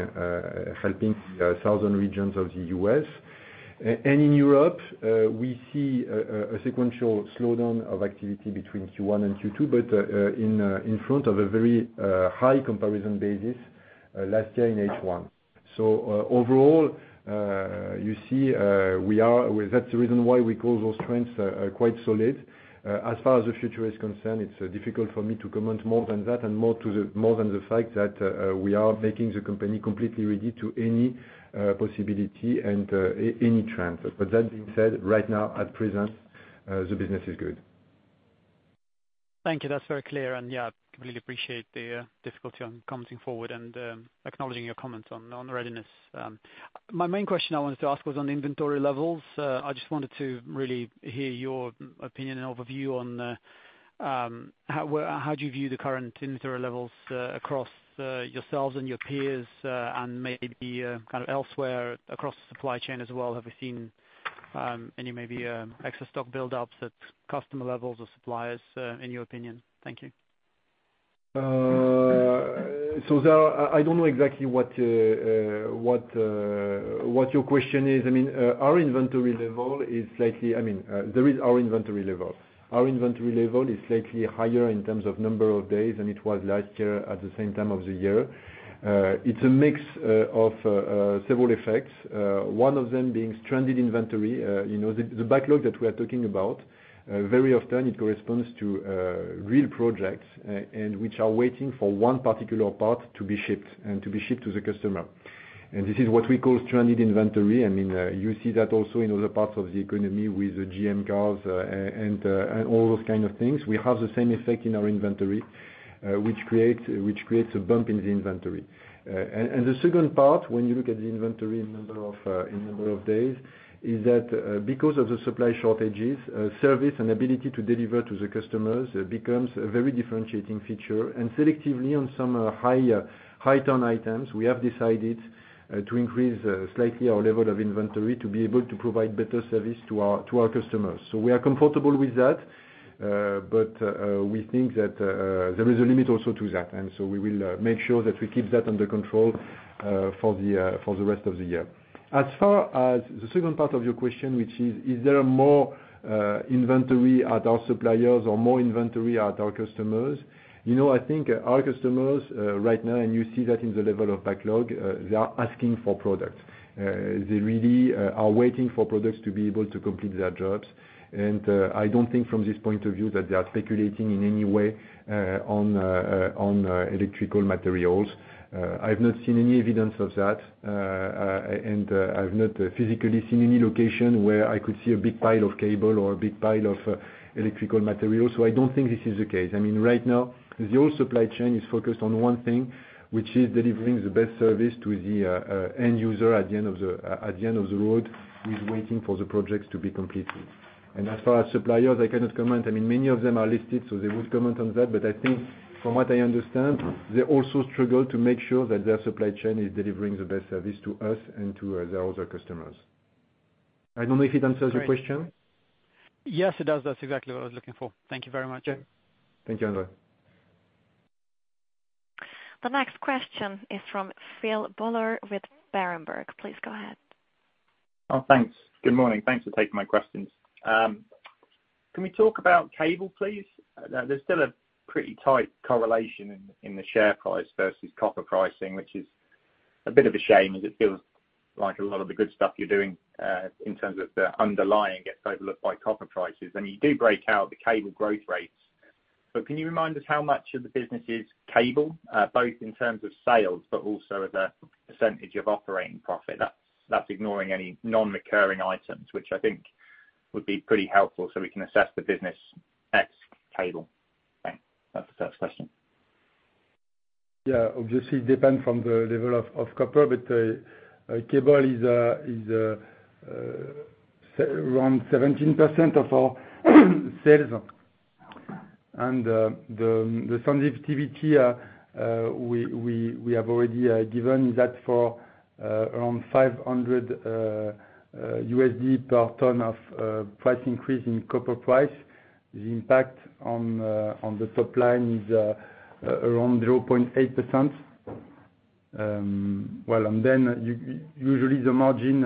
the southern regions of the U.S. In Europe, we see a sequential slowdown of activity between Q1 and Q2, but in front of a very high comparison basis last year in H1. Overall, you see. That's the reason why we call those trends quite solid. As far as the future is concerned, it's difficult for me to comment more than that and more than the fact that we are making the company completely ready to any possibility and any trends. That being said, right now, at present, the business is good. Thank you. That's very clear. Yeah, completely appreciate the difficulty on commenting forward and acknowledging your comments on readiness. My main question I wanted to ask was on inventory levels. I just wanted to really hear your opinion and overview on the how do you view the current inventory levels across yourselves and your peers and maybe kind of elsewhere across the supply chain as well? Have you seen any maybe excess stock buildups at customer levels or suppliers in your opinion? Thank you. I don't know exactly what your question is. I mean, our inventory level is slightly higher in terms of number of days than it was last year at the same time of the year. It's a mix of several effects, one of them being stranded inventory. You know, the backlog that we are talking about very often corresponds to real projects and which are waiting for one particular part to be shipped to the customer. This is what we call stranded inventory. I mean, you see that also in other parts of the economy with the GM cars and all those kind of things. We have the same effect in our inventory, which creates a bump in the inventory. The second part, when you look at the inventory in number of days, is that because of the supply shortages, service and ability to deliver to the customers becomes a very differentiating feature. Selectively, on some high-turn items, we have decided to increase slightly our level of inventory to be able to provide better service to our customers. We are comfortable with that. We think that there is a limit also to that, and so we will make sure that we keep that under control for the rest of the year. As far as the second part of your question, which is there more inventory at our suppliers or more inventory at our customers? You know, I think our customers right now, and you see that in the level of backlog, they are asking for products. They really are waiting for products to be able to complete their jobs. I don't think from this point of view that they are speculating in any way on electrical materials. I've not seen any evidence of that. I've not physically seen any location where I could see a big pile of cable or a big pile of electrical materials. I don't think this is the case. I mean, right now, the whole supply chain is focused on one thing, which is delivering the best service to the end user at the end of the road who is waiting for the projects to be completed. As far as suppliers, I cannot comment. I mean, many of them are listed, so they would comment on that. I think from what I understand, they also struggle to make sure that their supply chain is delivering the best service to us and to their other customers. I don't know if it answers your question. Yes, it does. That's exactly what I was looking for. Thank you very much. Yeah. Thank you, Andre Kukhnin. The next question is from Phil Buller with Berenberg. Please go ahead. Oh, thanks. Good morning. Thanks for taking my questions. Can we talk about cable, please? There's still a pretty tight correlation in the share price versus copper pricing, which is a bit of a shame as it feels like a lot of the good stuff you're doing in terms of the underlying gets overlooked by copper prices. You do break out the cable growth rates. Can you remind us how much of the business is cable, both in terms of sales, but also as a percentage of operating profit? That's ignoring any non-recurring items, which I think would be pretty helpful so we can assess the business ex cable. Okay, that's the first question. Yeah. Obviously it depends on the level of copper, but cable is around 17% of our sales. The sensitivity we have already given that for around $500 USD per ton of price increase in copper price. The impact on the top line is around 0.8%. Usually the margin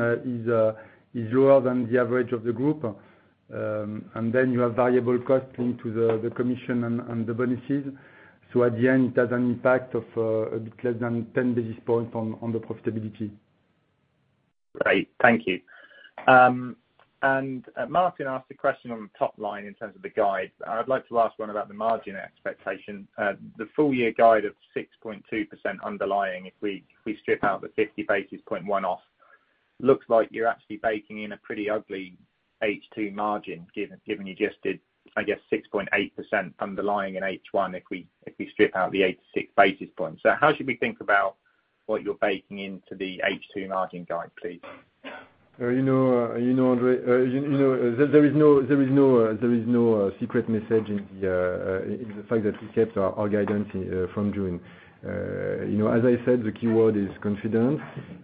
is lower than the average of the group. You have variable costs linked to the commission and the bonuses. At the end, it has an impact of a bit less than 10 basis points on the profitability. Great. Thank you. Martin asked a question on the top line in terms of the guide. I'd like to ask one about the margin expectation. The full year guide of 6.2% underlying, if we strip out the 50 basis point one-off, looks like you're actually baking in a pretty ugly H2 margin given you just did, I guess, 6.8% underlying in H1, if we strip out the 86 basis points. How should we think about what you're baking into the H2 margin guide, please? You know, Phil, you know, there is no secret message in the fact that we kept our guidance from June. You know, as I said, the keyword is confidence.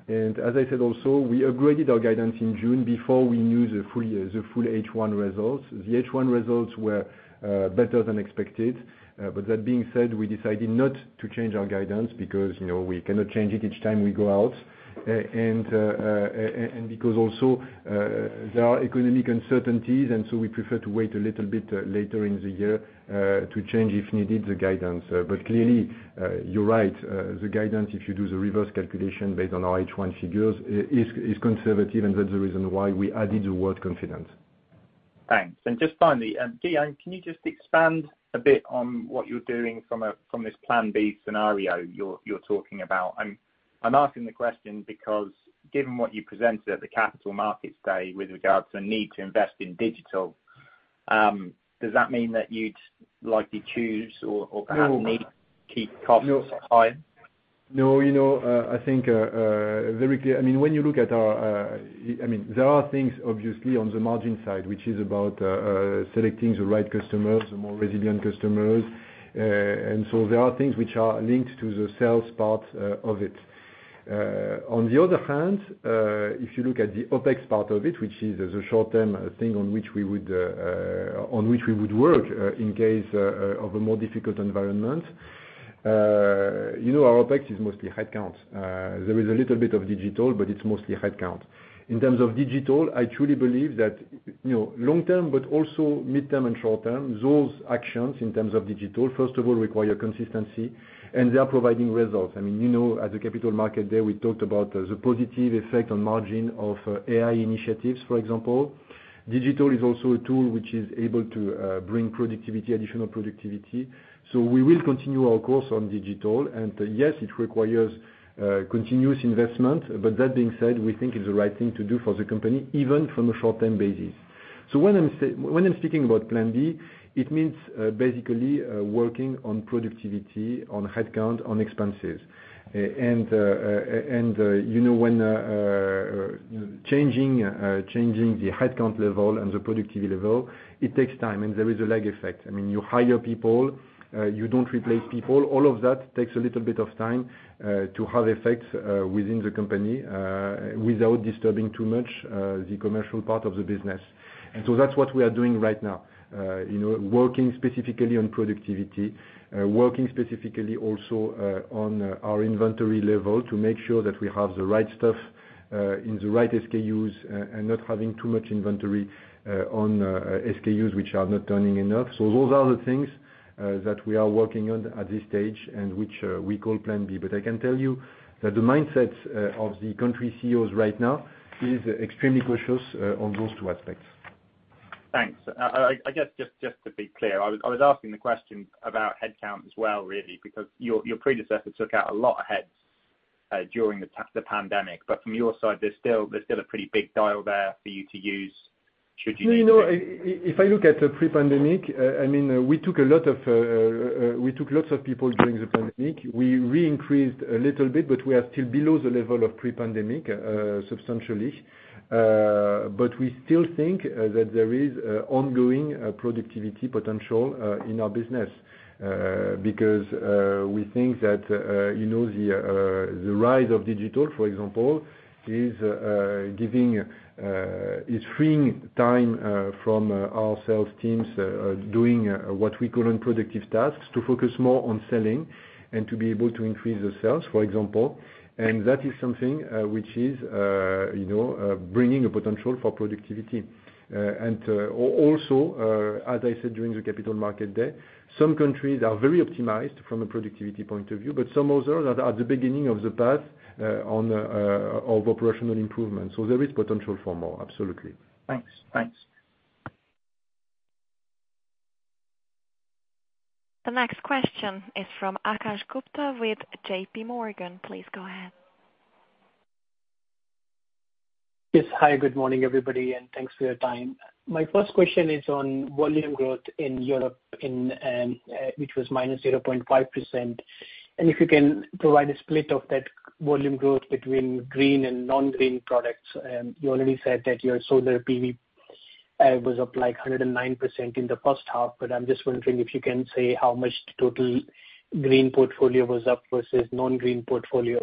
As I said also, we upgraded our guidance in June before we knew the full year, the full H1 results. The H1 results were better than expected. That being said, we decided not to change our guidance because, you know, we cannot change it each time we go out and because also there are economic uncertainties, and so we prefer to wait a little bit later in the year to change, if needed, the guidance. Clearly, you're right. The guidance, if you do the reverse calculation based on our H1 figures, is conservative, and that's the reason why we added the word confidence. Thanks. Just finally, Guillaume, can you just expand a bit on what you're doing from this plan B scenario you're talking about? I'm asking the question because given what you presented at the Capital Markets Day with regards to a need to invest in digital, does that mean that you'd likely choose or perhaps need to keep costs high? No, you know, I think it's very clear. I mean, when you look at our, there are things obviously on the margin side, which is about selecting the right customers, the more resilient customers. There are things which are linked to the sales part of it. On the other hand, if you look at the OpEx part of it, which is a short-term thing on which we would work in case of a more difficult environment, you know, our OpEx is mostly headcount. There is a little bit of digital, but it's mostly headcount. In terms of digital, I truly believe that, you know, long-term, but also mid-term and short-term, those actions in terms of digital, first of all, require consistency, and they are providing results. I mean, you know, at the Capital Market Day, we talked about the positive effect on margin of AI initiatives, for example. Digital is also a tool which is able to bring productivity, additional productivity. We will continue our course on digital. Yes, it requires continuous investment. That being said, we think it's the right thing to do for the company, even from a short-term basis. When I'm speaking about plan B, it means basically working on productivity, on headcount, on expenses. You know, when changing the headcount level and the productivity level, it takes time, and there is a lag effect. I mean, you hire people, you don't replace people. All of that takes a little bit of time to have effect within the company without disturbing too much the commercial part of the business. That's what we are doing right now. You know, working specifically on productivity, working specifically also on our inventory level to make sure that we have the right stuff in the right SKUs and not having too much inventory on SKUs which are not turning enough. Those are the things that we are working on at this stage and which we call plan B. I can tell you that the mindset of the country CEOs right now is extremely cautious on those two aspects. Thanks. I guess just to be clear, I was asking the question about headcount as well, really, because your predecessor took out a lot of heads. During the pandemic. From your side, there's still a pretty big dial there for you to use should you need to. You know, if I look at the pre-pandemic, I mean, we took lots of people during the pandemic. We re-increased a little bit, but we are still below the level of pre-pandemic substantially. We still think that there is ongoing productivity potential in our business. Because we think that, you know, the rise of digital, for example, is freeing time from our sales teams doing what we call unproductive tasks to focus more on selling and to be able to increase the sales, for example. That is something which is, you know, bringing a potential for productivity. Also, as I said, during the Capital Markets Day, some countries are very optimized from a productivity point of view, but some others are at the beginning of the path of operational improvement. There is potential for more, absolutely. Thanks. Thanks. The next question is from Akash Gupta with JP Morgan. Please go ahead. Yes. Hi, good morning, everybody, and thanks for your time. My first question is on volume growth in Europe, which was -0.5%. If you can provide a split of that volume growth between green and non-green products. You already said that your solar PV was up like 109% in the H1. I'm just wondering if you can say how much total green portfolio was up versus non-green portfolio.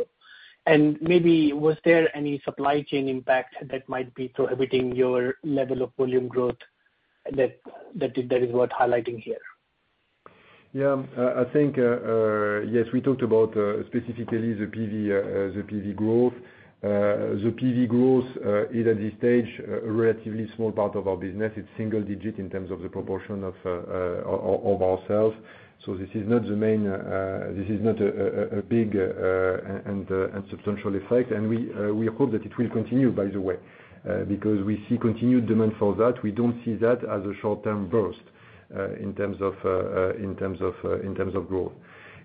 Maybe was there any supply chain impact that might be prohibiting your level of volume growth that is worth highlighting here? Yeah. I think yes, we talked about specifically the PV growth. The PV growth is at this stage a relatively small part of our business. It's single digit in terms of the proportion of our sales. This is not a big and substantial effect. We hope that it will continue, by the way, because we see continued demand for that. We don't see that as a short-term burst in terms of growth.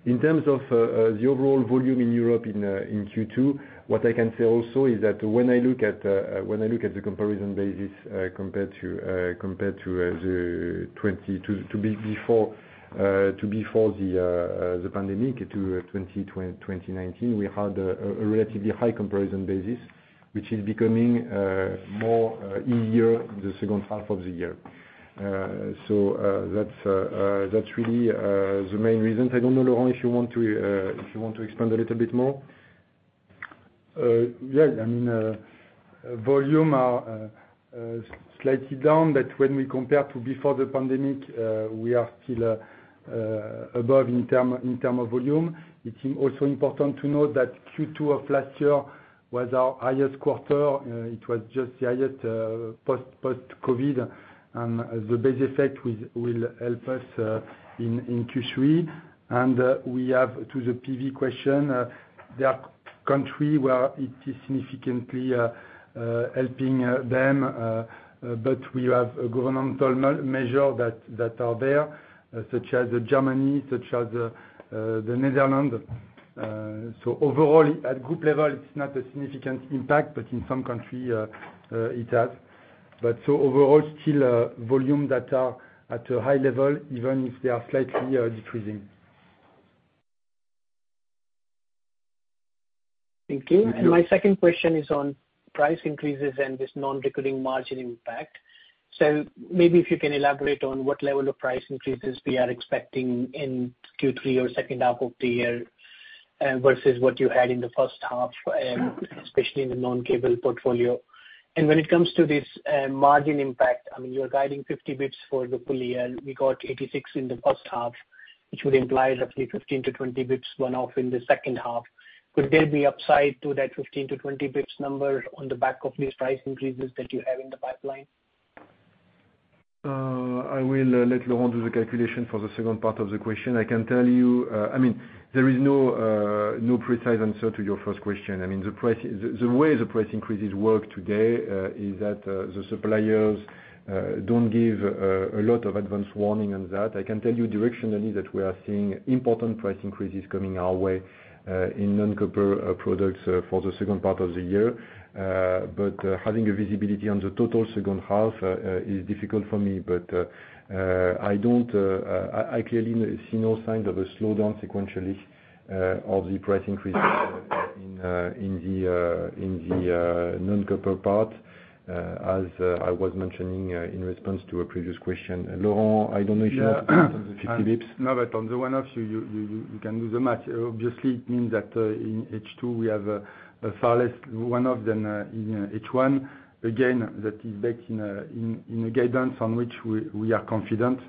In terms of the overall volume in Europe in Q2, what I can say also is that when I look at the comparison basis, compared to before the pandemic to 2020, 2019, we had a relatively high comparison basis, which is becoming more easier the H2 of the year. That's really the main reasons. I don't know, Laurent, if you want to expand a little bit more. Yeah. I mean, volumes are slightly down, but when we compare to before the pandemic, we are still above in terms of volume. It is also important to note that Q2 of last year was our highest quarter. It was just the highest post-COVID, and the base effect will help us in Q3. With regards to the PV question, there are countries where it is significantly helping them, but we have governmental measures that are there, such as Germany, such as the Netherlands. Overall at group level, it's not a significant impact, but in some countries it has. Overall still volumes that are at a high level, even if they are slightly decreasing. Thank you. Thank you. My second question is on price increases and this non-recurring margin impact. Maybe if you can elaborate on what level of price increases we are expecting in Q3 or H2 of the year versus what you had in the H1, especially in the non-cable portfolio. When it comes to this margin impact, I mean, you are guiding 50 basis points for the full year. We got 86 in the H1, which would imply roughly 15-20 basis points one-off in the H2. Could there be upside to that 15-20 basis points number on the back of these price increases that you have in the pipeline? I will let Laurent do the calculation for the second part of the question. I can tell you, I mean, there is no precise answer to your first question. I mean, the way the price increases work today is that the suppliers don't give a lot of advance warning on that. I can tell you directionally that we are seeing important price increases coming our way in non-copper products for the second part of the year. But having a visibility on the total H2 is difficult for me. I clearly see no sign of a slowdown sequentially of the price increases in the non-copper part, as I was mentioning in response to a previous question. Laurent, I don't know if you want to speak on the 50 basis points. Yeah. No, but on the one-offs, you can do the math. Obviously, it means that in H2, we have a far less one-off than in H1. Again, that is backed in a guidance on which we are confident,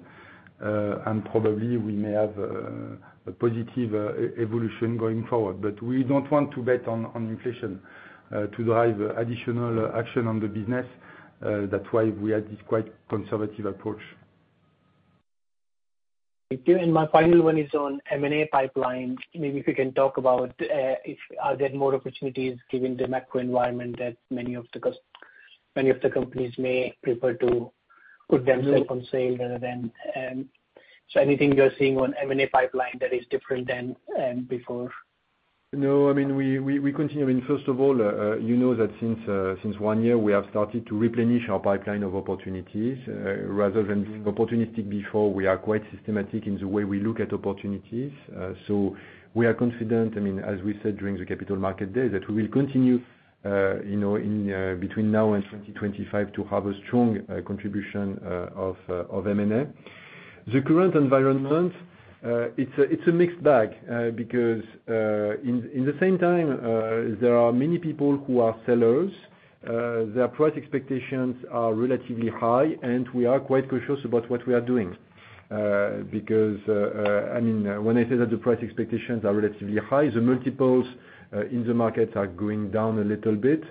and probably we may have a positive evolution going forward. We don't want to bet on inflation to drive additional action on the business. That's why we had this quite conservative approach. Thank you. My final one is on M&A pipeline. Maybe if you can talk about, if are there more opportunities given the macro environment that many of the companies may prefer to put themselves on sale rather than. Anything you're seeing on M&A pipeline that is different than before? No. I mean, we continue. I mean, first of all, you know that since one year, we have started to replenish our pipeline of opportunities. Rather than opportunistic before, we are quite systematic in the way we look at opportunities. So we are confident, I mean, as we said during the Capital Markets Day, that we will continue, you know, in between now and 2025 to have a strong contribution of M&A. The current environment, it's a mixed bag, because at the same time, there are many people who are sellers. Their price expectations are relatively high, and we are quite cautious about what we are doing. Because, I mean, when I say that the price expectations are relatively high, the multiples in the market are going down a little bit.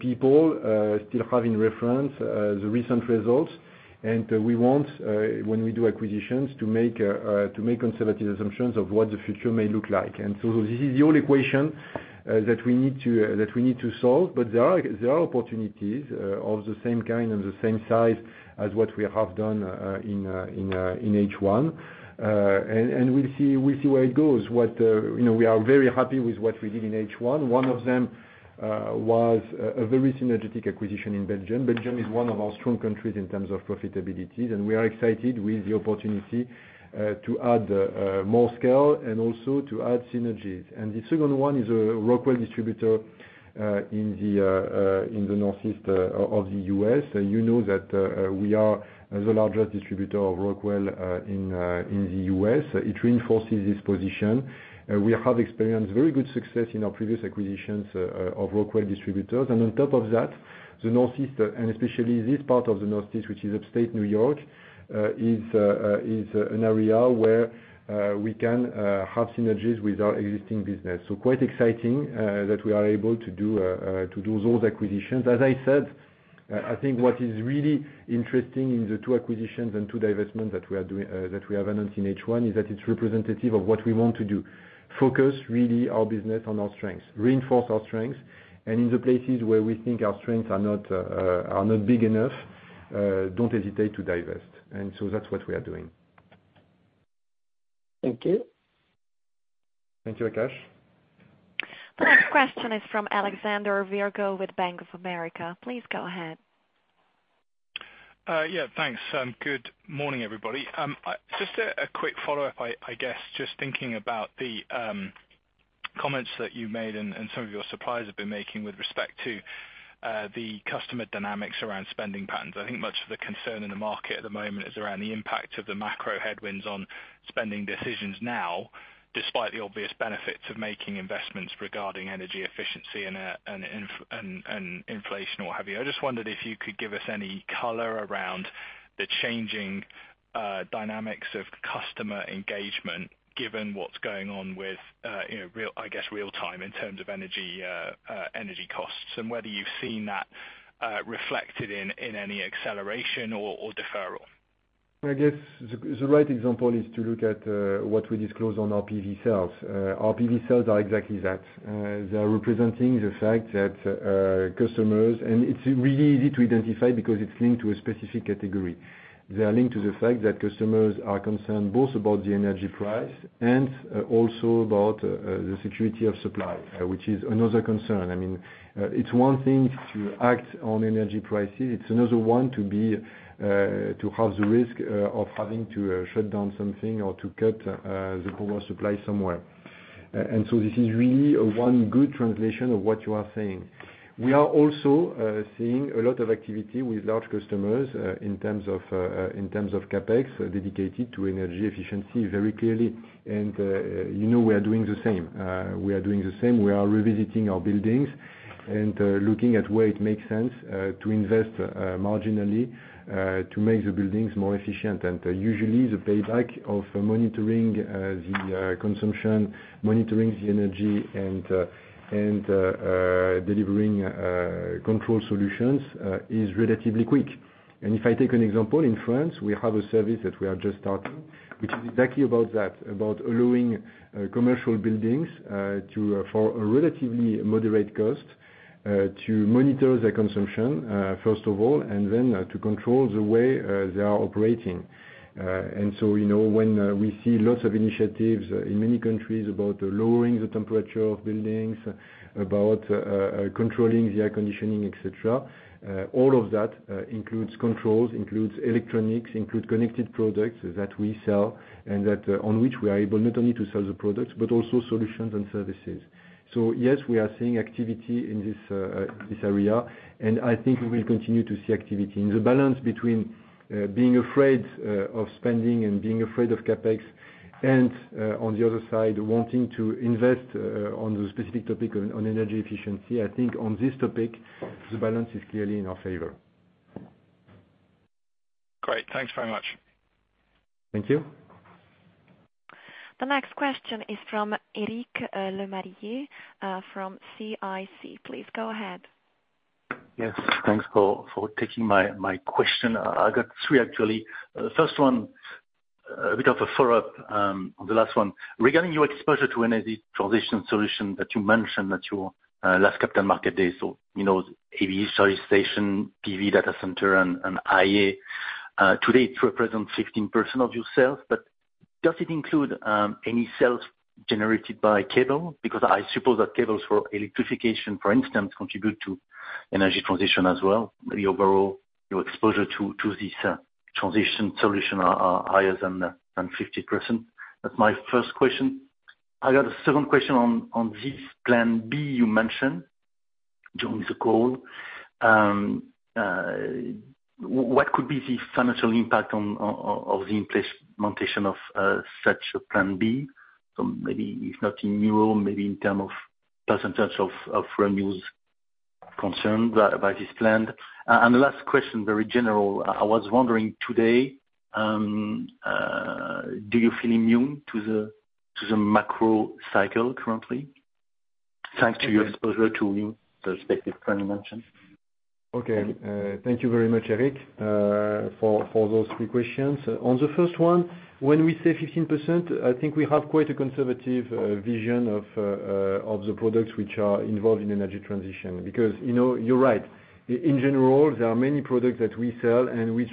People still have in reference the recent results. We want, when we do acquisitions, to make conservative assumptions of what the future may look like. This is the only equation that we need to solve. There are opportunities of the same kind and the same size as what we have done in H1. We'll see where it goes. You know, we are very happy with what we did in H1. One of them was a very synergistic acquisition in Belgium. Belgium is one of our strong countries in terms of profitability, and we are excited with the opportunity to add more scale and also to add synergies. The second one is a Rockwell distributor in the northeast of the U.S. You know that we are the largest distributor of Rockwell in the U.S. It reinforces this position. We have experienced very good success in our previous acquisitions of Rockwell distributors. On top of that, the northeast, and especially this part of the northeast, which is Upstate New York, is an area where we can have synergies with our existing business. Quite exciting that we are able to do those acquisitions. As I said, I think what is really interesting in the two acquisitions and two divestments that we are doing, that we have announced in H1 is that it's representative of what we want to do. Focus really our business on our strengths, reinforce our strengths, and in the places where we think our strengths are not big enough, don't hesitate to divest. That's what we are doing. Thank you. Thank you, Akash. The next question is from Alexander Virgo with Bank of America. Please go ahead. Yeah, thanks. Good morning, everybody. Just a quick follow-up, I guess, just thinking about the comments that you made and some of your suppliers have been making with respect to the customer dynamics around spending patterns. I think much of the concern in the market at the moment is around the impact of the macro headwinds on spending decisions now, despite the obvious benefits of making investments regarding energy efficiency and inflation or what have you. I just wondered if you could give us any color around the changing dynamics of customer engagement, given what's going on with, you know, real, I guess, real-time in terms of energy costs, and whether you've seen that reflected in any acceleration or deferral. I guess the right example is to look at what we disclose on our PV sales. Our PV sales are exactly that. They are representing the fact that customers. It's really easy to identify because it's linked to a specific category. They are linked to the fact that customers are concerned both about the energy price and also about the security of supply, which is another concern. I mean, it's one thing to act on energy prices. It's another one to have the risk of having to shut down something or to cut the global supply somewhere. This is really one good translation of what you are saying. We are also seeing a lot of activity with large customers in terms of CapEx dedicated to energy efficiency very clearly. You know, we are doing the same. We are revisiting our buildings and looking at where it makes sense to invest marginally to make the buildings more efficient. Usually the payback of monitoring the consumption, monitoring the energy and delivering control solutions is relatively quick. If I take an example, in France, we have a service that we are just starting, which is exactly about that. About allowing commercial buildings to, for a relatively moderate cost, to monitor their consumption first of all, and then to control the way they are operating. You know, when we see lots of initiatives in many countries about lowering the temperature of buildings, about controlling the air conditioning, et cetera, all of that includes controls, includes electronics, includes connected products that we sell and that on which we are able not only to sell the products but also solutions and services. Yes, we are seeing activity in this area, and I think we will continue to see activity. The balance between being afraid of spending and being afraid of CapEx and, on the other side, wanting to invest on the specific topic on energy efficiency, I think on this topic, the balance is clearly in our favor. Great. Thanks very much. Thank you. The next question is from Eric Lemarié from CIC. Please go ahead. Yes, thanks for taking my question. I got three actually. The first one. A bit of a follow-up on the last one. Regarding your exposure to energy transition solution that you mentioned at your last capital market day. You know, EV charging station, PV, data center, and IA. Today it represents 15% of your sales, but does it include any sales generated by cable? Because I suppose that cables for electrification, for instance, contribute to energy transition as well. Maybe overall your exposure to this transition solution are higher than 50%. That's my first question. I got a second question on this plan B you mentioned during the call. What could be the financial impact of the implementation of such a plan B? Maybe if not in euro, maybe in terms of percentage of revenues concerned about this plan. The last question, very general. I was wondering today, do you feel immune to the macro cycle currently thanks to your exposure to the respective plan you mentioned? Okay. Thank you very much, Eric Lemarié, for those three questions. On the first one, when we say 15%, I think we have quite a conservative vision of the products which are involved in energy transition. Because, you know, you're right. In general, there are many products that we sell and which,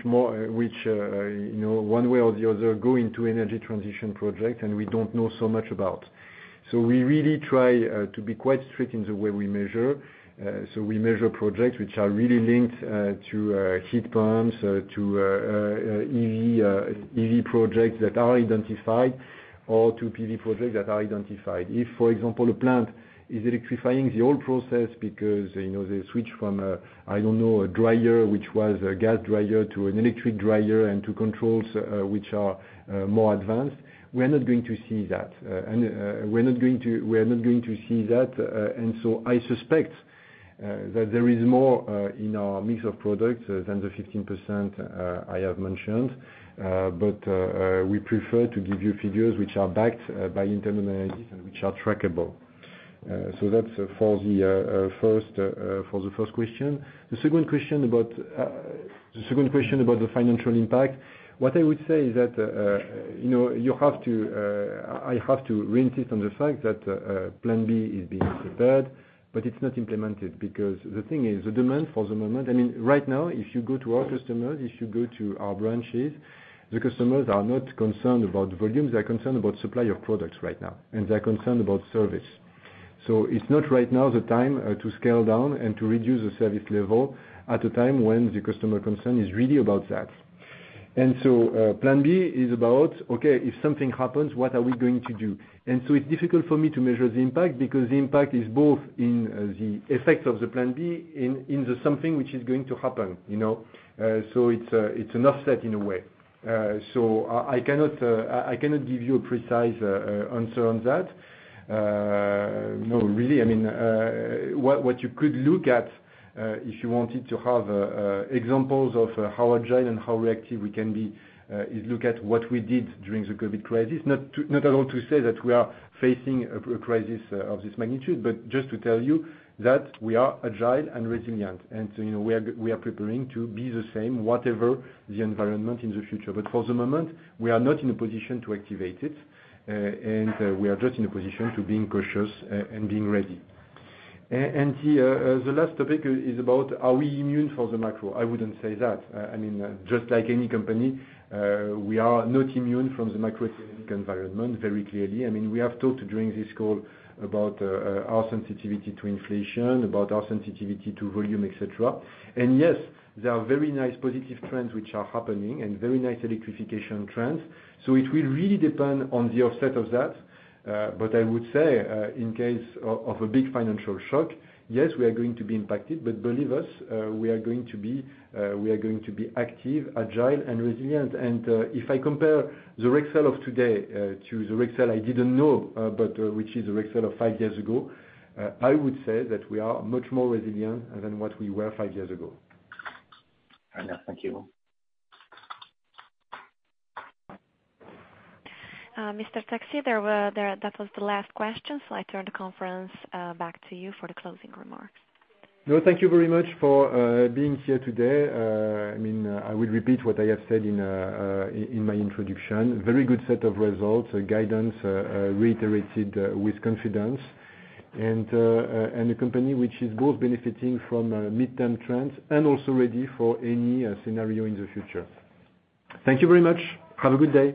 you know, one way or the other go into energy transition project and we don't know so much about. So we really try to be quite strict in the way we measure. So we measure projects which are really linked to heat pumps, to EV projects that are identified or to PV projects that are identified. If, for example, a plant is electrifying the old process because, you know, they switch from, I don't know, a dryer which was a gas dryer to an electric dryer and to controls, which are more advanced, we're not going to see that. I suspect that there is more in our mix of products than the 15% I have mentioned. We prefer to give you figures which are backed by internal analysis and which are trackable. That's for the first question. The second question about the financial impact, what I would say is that, you know, you have to, I have to re-insist on the fact that, plan B is being prepared, but it's not implemented. Because the thing is, the demand for the moment, I mean, right now, if you go to our customers, if you go to our branches, the customers are not concerned about volume. They're concerned about supply of products right now, and they're concerned about service. So it's not right now the time, to scale down and to reduce the service level at a time when the customer concern is really about that. Plan B is about, okay, if something happens, what are we going to do? It's difficult for me to measure the impact because the impact is both in the effects of the plan B in the something which is going to happen, you know? It's an offset in a way. I cannot give you a precise answer on that. No, really, I mean, what you could look at, if you wanted to have examples of how agile and how reactive we can be, is look at what we did during the COVID crisis. Not at all to say that we are facing a crisis of this magnitude, but just to tell you that we are agile and resilient. You know, we are preparing to be the same, whatever the environment in the future. But for the moment, we are not in a position to activate it, and we are just in a position to being cautious and being ready. The last topic is about are we immune to the macro? I wouldn't say that. I mean, just like any company, we are not immune from the macroeconomic environment very clearly. I mean, we have talked during this call about our sensitivity to inflation, about our sensitivity to volume, et cetera. Yes, there are very nice positive trends which are happening and very nice electrification trends. So it will really depend on the offset of that. I would say, in case of a big financial shock, yes, we are going to be impacted, but believe us, we are going to be active, agile, and resilient. If I compare the Rexel of today to the Rexel I didn't know, but which is the Rexel of five years ago, I would say that we are much more resilient than what we were five years ago. Yeah. Thank you. Mr. Texier, that was the last question, so I turn the conference back to you for the closing remarks. No, thank you very much for being here today. I mean, I will repeat what I have said in my introduction. Very good set of results, and guidance reiterated with confidence and a company which is both benefiting from medium-term trends and also ready for any scenario in the future. Thank you very much. Have a good day.